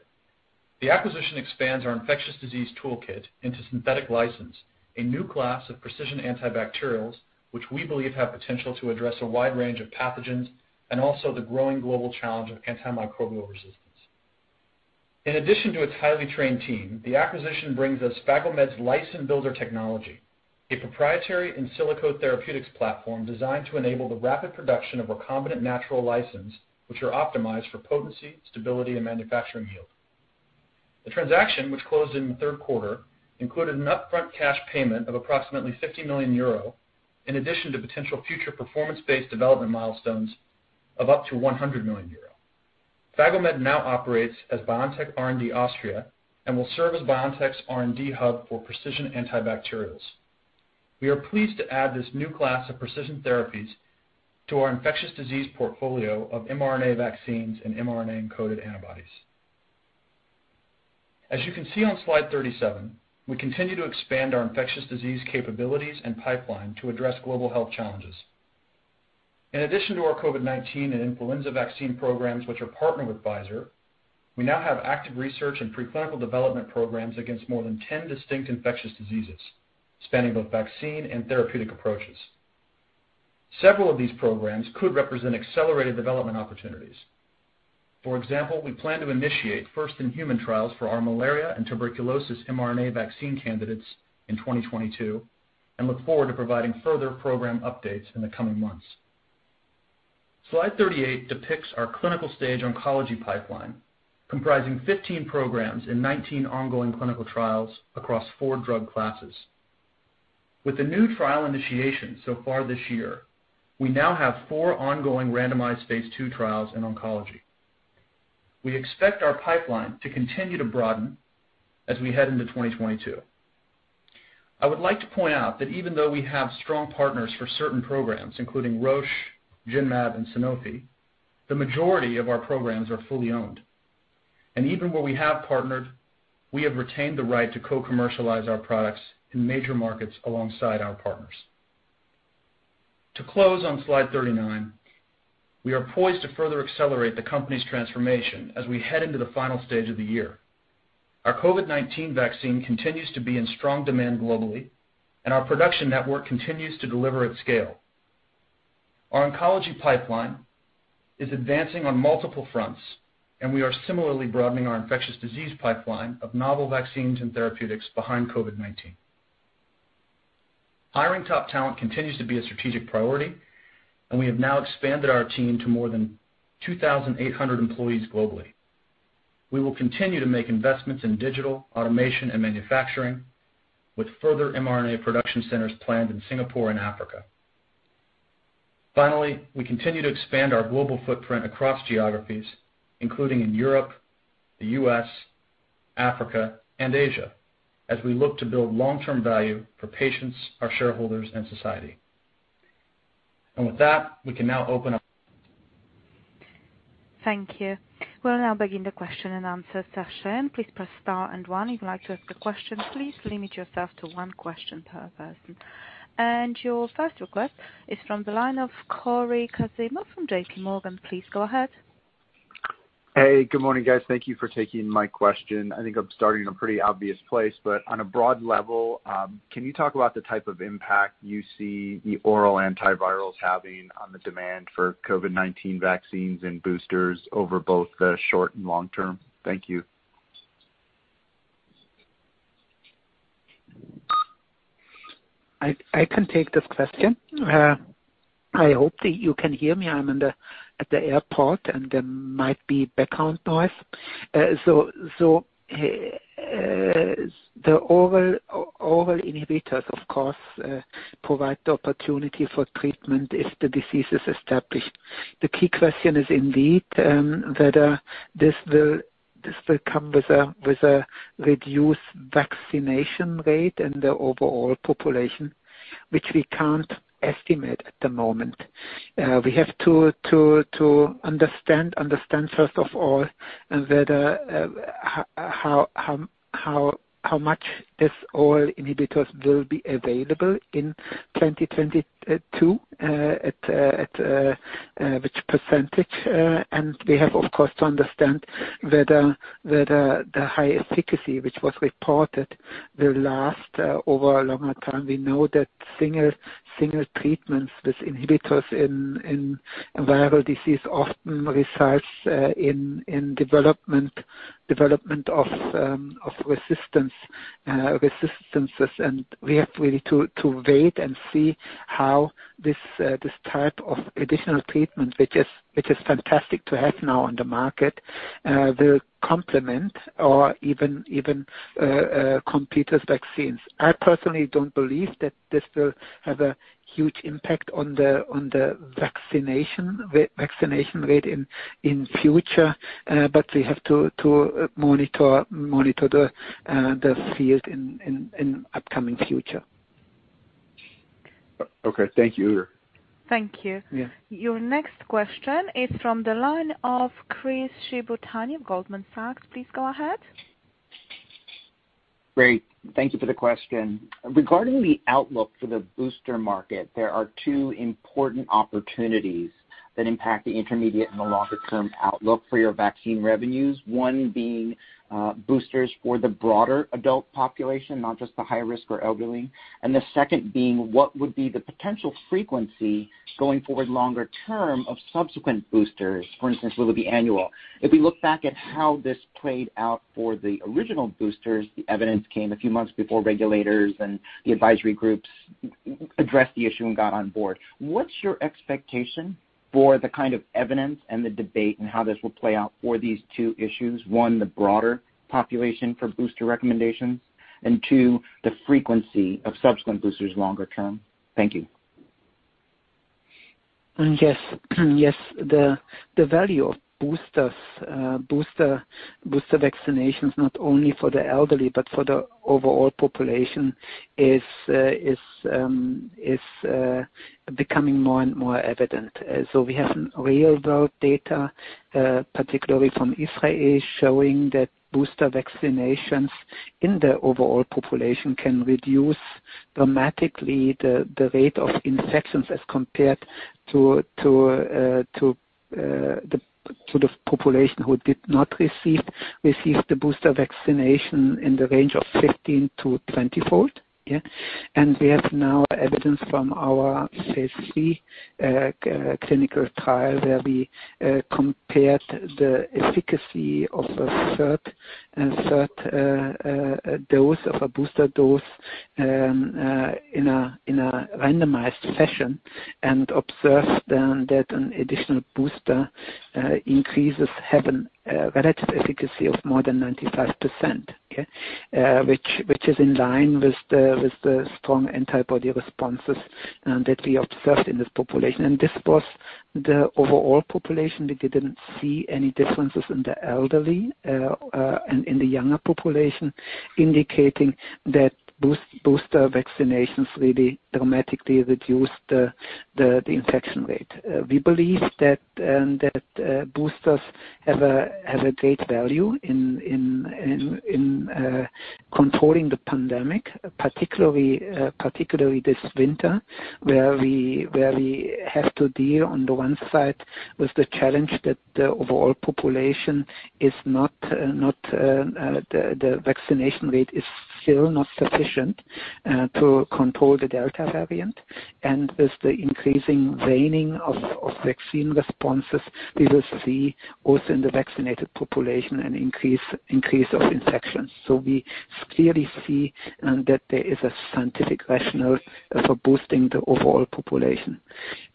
The acquisition expands our infectious disease toolkit into synthetic lysins, a new class of precision antibacterials, which we believe have potential to address a wide range of pathogens and also the growing global challenge of antimicrobial resistance. In addition to its highly trained team, the acquisition brings us PhagoMed's Lysin Builder technology, a proprietary in silico therapeutics platform designed to enable the rapid production of recombinant natural lysins, which are optimized for potency, stability, and manufacturing yield. The transaction, which closed in the third quarter, included an upfront cash payment of approximately 50 million euro, in addition to potential future performance-based development milestones of up to 100 million euro. PhagoMed now operates as BioNTech R&D Austria and will serve as BioNTech's R&D hub for precision antibacterials. We are pleased to add this new class of precision therapies to our infectious disease portfolio of mRNA vaccines and mRNA-encoded antibodies. As you can see on slide 37, we continue to expand our infectious disease capabilities and pipeline to address global health challenges. In addition to our COVID-19 and influenza vaccine programs, which are partnered with Pfizer, we now have active research and pre-clinical development programs against more than 10 distinct infectious diseases, spanning both vaccine and therapeutic approaches. Several of these programs could represent accelerated development opportunities. For example, we plan to initiate first in human trials for our malaria and tuberculosis mRNA vaccine candidates in 2022 and look forward to providing further program updates in the coming months. Slide 38 depicts our clinical stage oncology pipeline, comprising 15 programs in 19 ongoing clinical trials across four drug classes. With the new trial initiation so far this year, we now have four ongoing randomized phase II trials in oncology. We expect our pipeline to continue to broaden as we head into 2022. I would like to point out that even though we have strong partners for certain programs, including Roche, Genmab, and Sanofi, the majority of our programs are fully owned. Even where we have partnered, we have retained the right to co-commercialize our products in major markets alongside our partners. To close on slide 39, we are poised to further accelerate the company's transformation as we head into the final stage of the year. Our COVID-19 vaccine continues to be in strong demand globally, and our production network continues to deliver at scale. Our oncology pipeline is advancing on multiple fronts, and we are similarly broadening our infectious disease pipeline of novel vaccines and therapeutics behind COVID-19. Hiring top talent continues to be a strategic priority, and we have now expanded our team to more than 2,800 employees globally. We will continue to make investments in digital automation and manufacturing with further mRNA production centers planned in Singapore and Africa. Finally, we continue to expand our global footprint across geographies, including in Europe, the U.S., Africa, and Asia, as we look to build long-term value for patients, our shareholders, and society. With that, we can now open up. Thank you. We'll now begin the question and answer session. Please press star and one if you'd like to ask a question. Please limit yourself to one question per person. Your first request is from the line of Cory Kasimov from J.P. Morgan. Please go ahead. Hey, good morning, guys. Thank you for taking my question. I think I'm starting in a pretty obvious place, but on a broad level, can you talk about the type of impact you see the oral antivirals having on the demand for COVID-19 vaccines and boosters over both the short and long term? Thank you. I can take this question. I hope that you can hear me. I'm at the airport and there might be background noise. The oral inhibitors, of course, provide the opportunity for treatment if the disease is established. The key question is indeed whether this will come with a reduced vaccination rate in the overall population, which we can't estimate at the moment. We have to understand first of all whether how much this oral inhibitors will be available in 2022, at which percentage. We have, of course, to understand whether the high efficacy which was reported will last over a longer time. We know that single treatments with inhibitors in viral disease often results in development of resistance, and we have really to wait and see how this type of additional treatment, which is fantastic to have now on the market, will complement or even compete with vaccines. I personally don't believe that this will have a huge impact on the vaccination rate in future. We have to monitor the field in upcoming future. Okay. Thank you. Thank you. Yeah. Your next question is from the line of Chris Shibutani of Goldman Sachs. Please go ahead. Great. Thank you for the question. Regarding the outlook for the booster market, there are two important opportunities that impact the intermediate and the longer-term outlook for your vaccine revenues. One being boosters for the broader adult population, not just the high risk or elderly, and the second being what would be the potential frequency going forward longer term of subsequent boosters? For instance, will it be annual? If we look back at how this played out for the original boosters, the evidence came a few months before regulators and the advisory groups addressed the issue and got on board. What's your expectation for the kind of evidence and the debate and how this will play out for these two issues? One, the broader population for booster recommendations, and two, the frequency of subsequent boosters longer term. Thank you. Yes. The value of booster vaccinations, not only for the elderly but for the overall population is becoming more and more evident. We have some real world data, particularly from Israel, showing that booster vaccinations in the overall population can reduce dramatically the rate of infections as compared to the population who did not receive the booster vaccination in the range of 15- to 20-fold. Yeah. We have now evidence from our phase III clinical trial where we compared the efficacy of a third dose of a booster dose in a randomized fashion and observed that an additional booster increase has a relative efficacy of more than 95%, yeah. Which is in line with the strong antibody responses that we observed in this population. This was the overall population. We didn't see any differences in the elderly and in the younger population, indicating that booster vaccinations really dramatically reduce the infection rate. We believe that boosters have a great value in controlling the pandemic, particularly this winter, where we have to deal on the one side with the challenge that the overall population is not the vaccination rate is still not sufficient to control the Delta variant. With the increasing waning of vaccine responses, we will see also in the vaccinated population an increase of infections. We clearly see that there is a scientific rationale for boosting the overall population.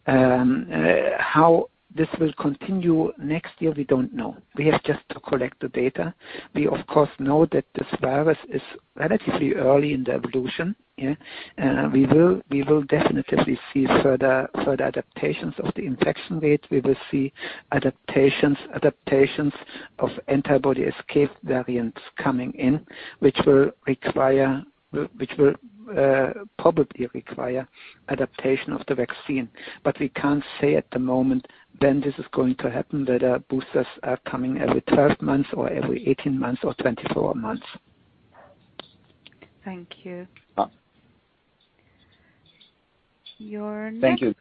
How this will continue next year, we don't know. We have just to collect the data. We of course know that this virus is relatively early in the evolution. We will definitely see further adaptations of the infection rate. We will see adaptations of antibody escape variants coming in, which will probably require adaptation of the vaccine. But we can't say at the moment when this is going to happen, that boosters are coming every 12 months or every 18 months or 24 months. Thank you. Uh. Your next- Thank you.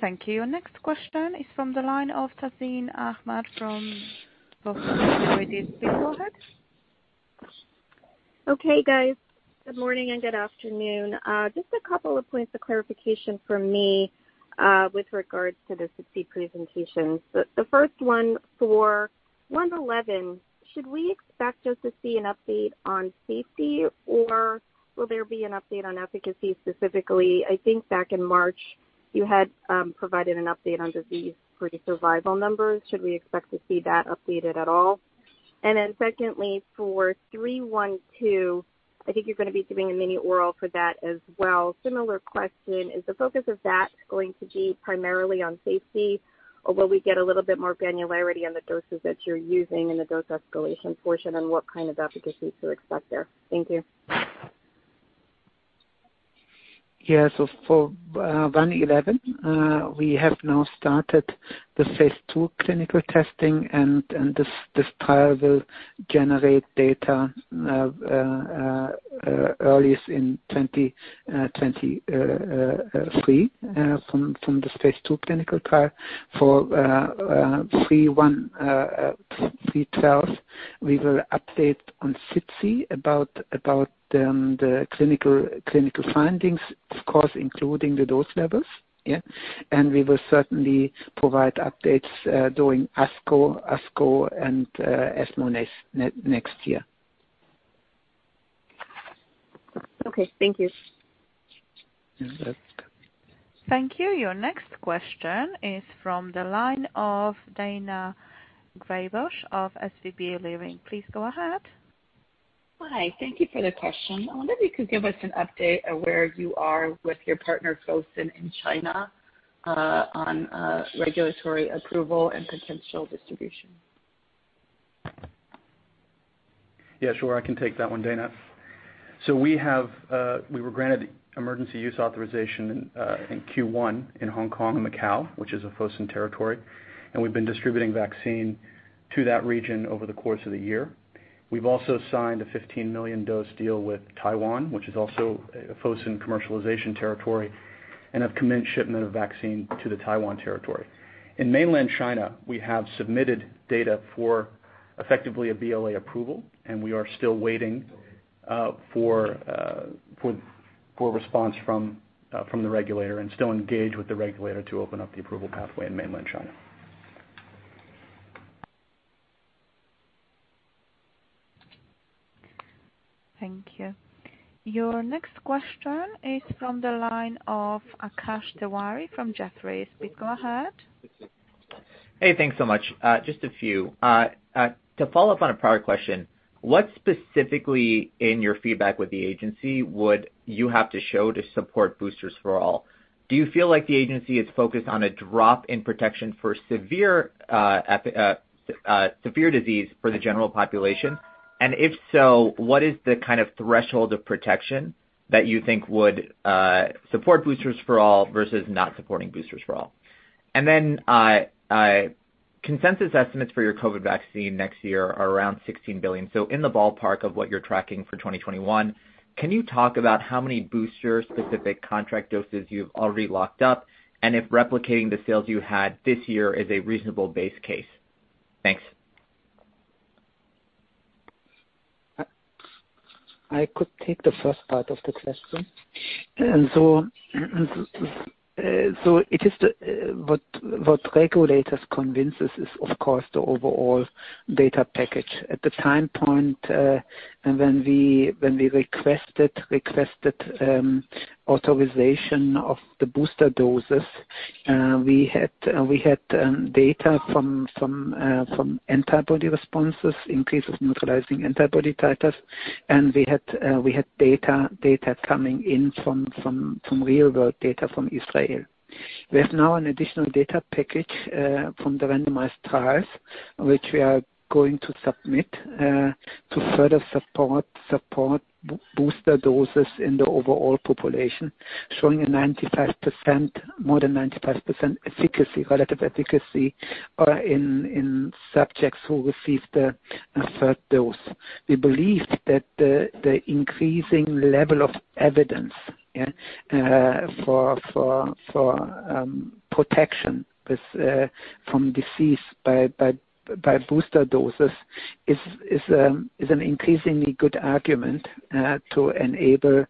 Thank you. Your next question is from the line of Tazeen Ahmad from Bank of America. Please go ahead. Okay, guys. Good morning and good afternoon. Just a couple of points of clarification from me with regards to the SITC presentation. The first one for one one eleven, should we expect just to see an update on safety or will there be an update on efficacy specifically? I think back in March you had provided an update on disease-free survival numbers. Should we expect to see that updated at all? And then secondly, for three one two, I think you're gonna be giving a mini oral for that as well. Similar question. Is the focus of that going to be primarily on safety or will we get a little bit more granularity on the doses that you're using in the dose escalation portion and what kind of efficacy to expect there? Thank you. Yeah. For BNT111, we have now started the phase II clinical testing and this trial will generate data earliest in 2023 from the phase II clinical trial. For BNT311 trials, we will update on SITC about the clinical findings, of course, including the dose levels. Yeah. We will certainly provide updates during ASCO and ESMO next year. Okay, thank you. Thank you. Your next question is from the line of Daina Graybosch of SVB Leerink. Please go ahead. Hi. Thank you for the question. I wonder if you could give us an update of where you are with your partner, Fosun, in China, on regulatory approval and potential distribution. Yeah, sure. I can take that one, Daina. We were granted emergency use authorization in Q1 in Hong Kong and Macau, which is a Fosun territory, and we've been distributing vaccine to that region over the course of the year. We've also signed a 15 million dose deal with Taiwan, which is also a Fosun commercialization territory, and have commenced shipment of vaccine to the Taiwan territory. In mainland China, we have submitted data for effectively a BLA approval, and we are still waiting for response from the regulator and still engage with the regulator to open up the approval pathway in mainland China. Thank you. Your next question is from the line of Akash Tewari from Jefferies. Please go ahead. Hey, thanks so much. Just a few. To follow up on a prior question, what specifically in your feedback with the agency would you have to show to support boosters for all? Do you feel like the agency is focused on a drop in protection for severe disease for the general population? And if so, what is the kind of threshold of protection that you think would support boosters for all versus not supporting boosters for all? Consensus estimates for your COVID vaccine next year are around 16 billion, so in the ballpark of what you're tracking for 2021. Can you talk about how many booster specific contract doses you've already locked up, and if replicating the sales you had this year is a reasonable base case? Thanks. I could take the first part of the question. It is what convinced the regulators is of course, the overall data package. At the time point, and when we requested authorization of the booster doses, we had data from antibody responses, increase of neutralizing antibody titers. We had data coming in from real world data from Israel. We have now an additional data package from the randomized trials, which we are going to submit to further support booster doses in the overall population, showing a 95%, more than 95% efficacy, relative efficacy, in subjects who received a third dose. We believe that the increasing level of evidence for protection from disease by booster doses is an increasingly good argument to enable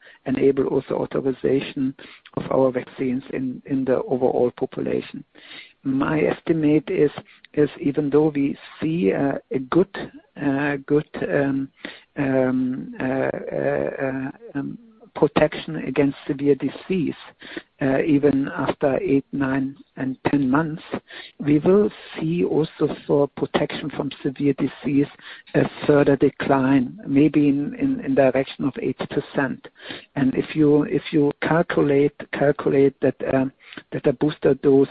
also authorization of our vaccines in the overall population. My estimate is even though we see a good protection against severe disease even after eight, nine, and 10 months, we will see also for protection from severe disease a further decline maybe in direction of 8%. If you calculate that a booster dose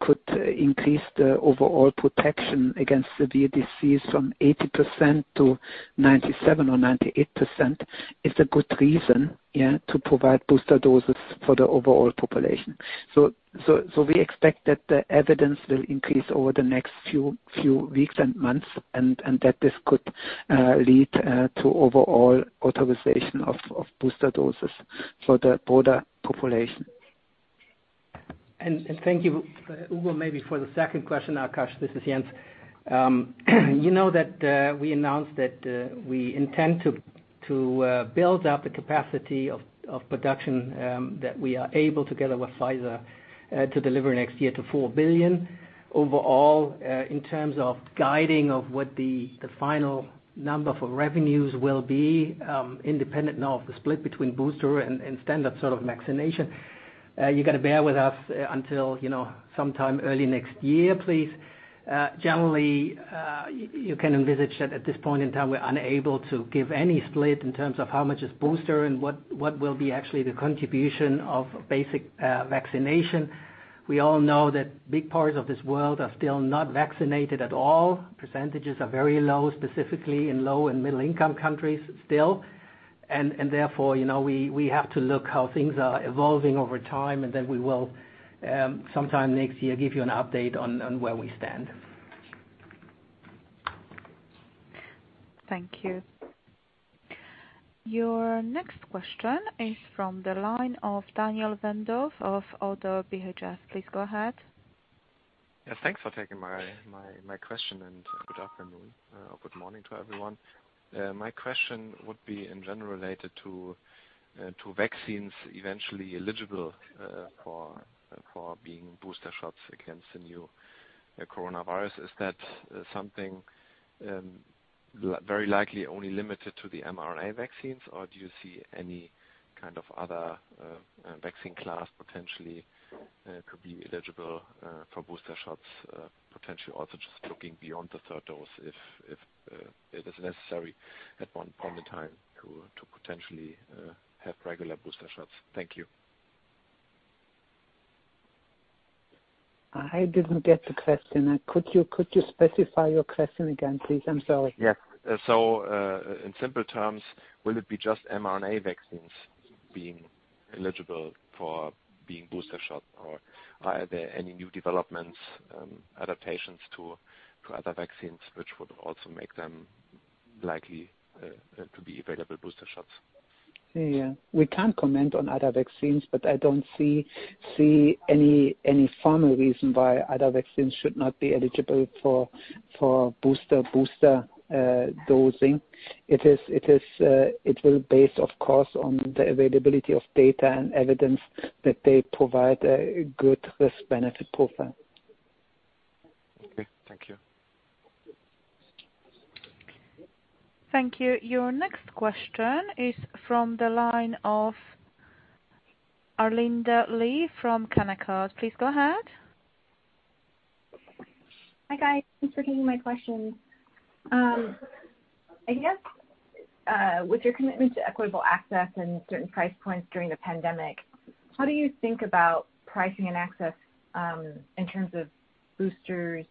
could increase the overall protection against severe disease from 80% to 97% or 98%, it's a good reason to provide booster doses for the overall population. We expect that the evidence will increase over the next few weeks and months, and that this could lead to overall authorization of booster doses for the broader population. Thank you, Ugur, maybe for the second question, Akash. This is Jens. You know that we announced that we intend to build up the capacity of production that we are able together with Pfizer to deliver next year to 4 billion. Overall, in terms of guidance of what the final number for revenues will be, independent now of the split between booster and standard sort of vaccination, you gotta bear with us until, you know, sometime early next year, please. Generally, you can envisage that at this point in time, we're unable to give any split in terms of how much is booster and what will be actually the contribution of basic vaccination. We all know that big parts of this world are still not vaccinated at all. Percentages are very low, specifically in low and middle income countries still. Therefore, you know, we have to look how things are evolving over time, and then we will sometime next year give you an update on where we stand. Thank you. Your next question is from the line of Daniel Wendorff of Oddo BHF. Please go ahead. Yeah, thanks for taking my question, and good afternoon, good morning to everyone. My question would be in general related to- To vaccines eventually eligible for being booster shots against the new coronavirus. Is that something very likely only limited to the mRNA vaccines, or do you see any kind of other vaccine class potentially could be eligible for booster shots, potentially also just looking beyond the third dose if it is necessary at one point in time to potentially have regular booster shots? Thank you. I didn't get the question. Could you specify your question again, please? I'm sorry. Yeah. In simple terms, will it be just mRNA vaccines being eligible for being booster shot, or are there any new developments, adaptations to other vaccines which would also make them likely to be available booster shots? Yeah. We can't comment on other vaccines, but I don't see any formal reason why other vaccines should not be eligible for booster dosing. It is it will based, of course, on the availability of data and evidence that they provide a good risk-benefit profile. Okay. Thank you. Thank you. Your next question is from the line of Arlinda Lee from Canaccord. Please go ahead. Hi, guys. Thanks for taking my question. I guess, with your commitment to equitable access and certain price points during the pandemic, how do you think about pricing and access, in terms of boosters,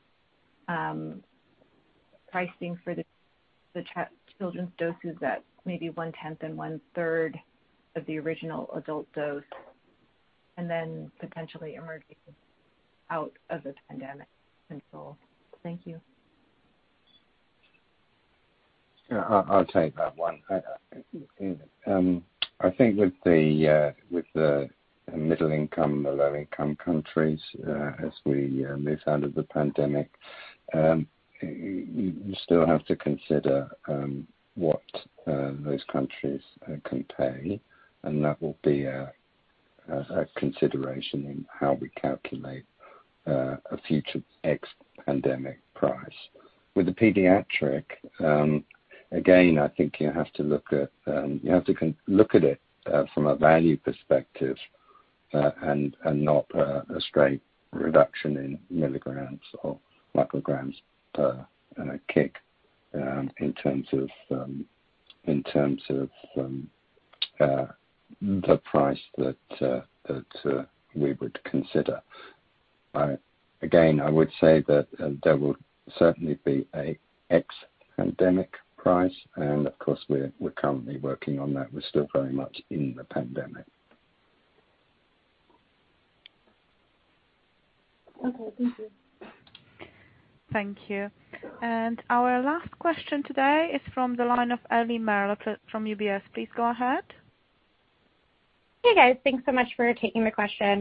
pricing for the children's doses that may be one-tenth and one-third of the original adult dose, and then potentially emerging out of the pandemic? Thank you. Yeah. I'll take that one. I think with the middle-income or low-income countries, as we move out of the pandemic, you still have to consider what those countries can pay, and that will be a consideration in how we calculate a future ex-pandemic price. With the pediatric, again, I think you have to look at it from a value perspective, and not a straight reduction in milligrams or micrograms per kit, in terms of the price that we would consider. Again, I would say that there will certainly be an ex-pandemic price, and of course we're currently working on that. We're still very much in the pandemic. Okay. Thank you. Thank you. Our last question today is from the line of Ellie Merle from UBS. Please go ahead. Hey, guys. Thanks so much for taking the question.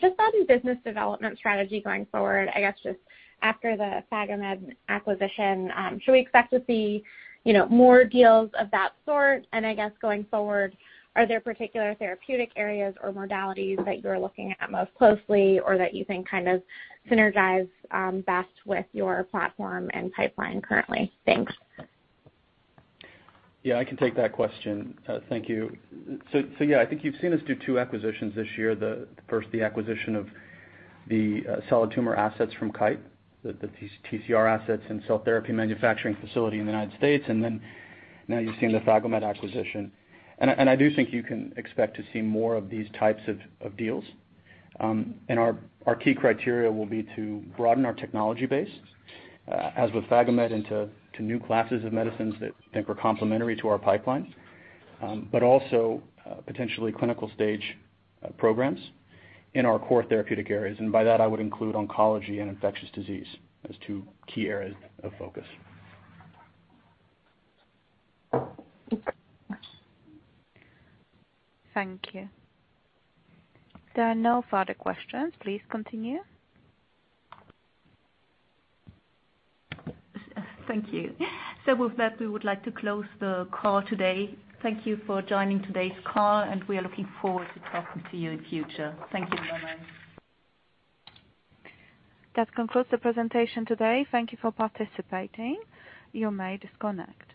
Just on business development strategy going forward, I guess just after the PhagoMed acquisition, should we expect to see, you know, more deals of that sort? I guess going forward, are there particular therapeutic areas or modalities that you're looking at most closely or that you think kind of synergize best with your platform and pipeline currently? Thanks. Yeah, I can take that question. Thank you. Yeah, I think you've seen us do two acquisitions this year. The first acquisition of the solid tumor assets from Kite, the TCR assets and cell therapy manufacturing facility in the United States, and then now you've seen the PhagoMed acquisition. I do think you can expect to see more of these types of deals. Our key criteria will be to broaden our technology base, as with PhagoMed, into new classes of medicines that I think are complementary to our pipeline. But also potentially clinical stage programs in our core therapeutic areas. By that, I would include oncology and infectious disease as two key areas of focus. Thank you. There are no further questions. Please continue. Thank you. With that, we would like to close the call today. Thank you for joining today's call, and we are looking forward to talking to you in future. Thank you very much. That concludes the presentation today. Thank you for participating. You may disconnect.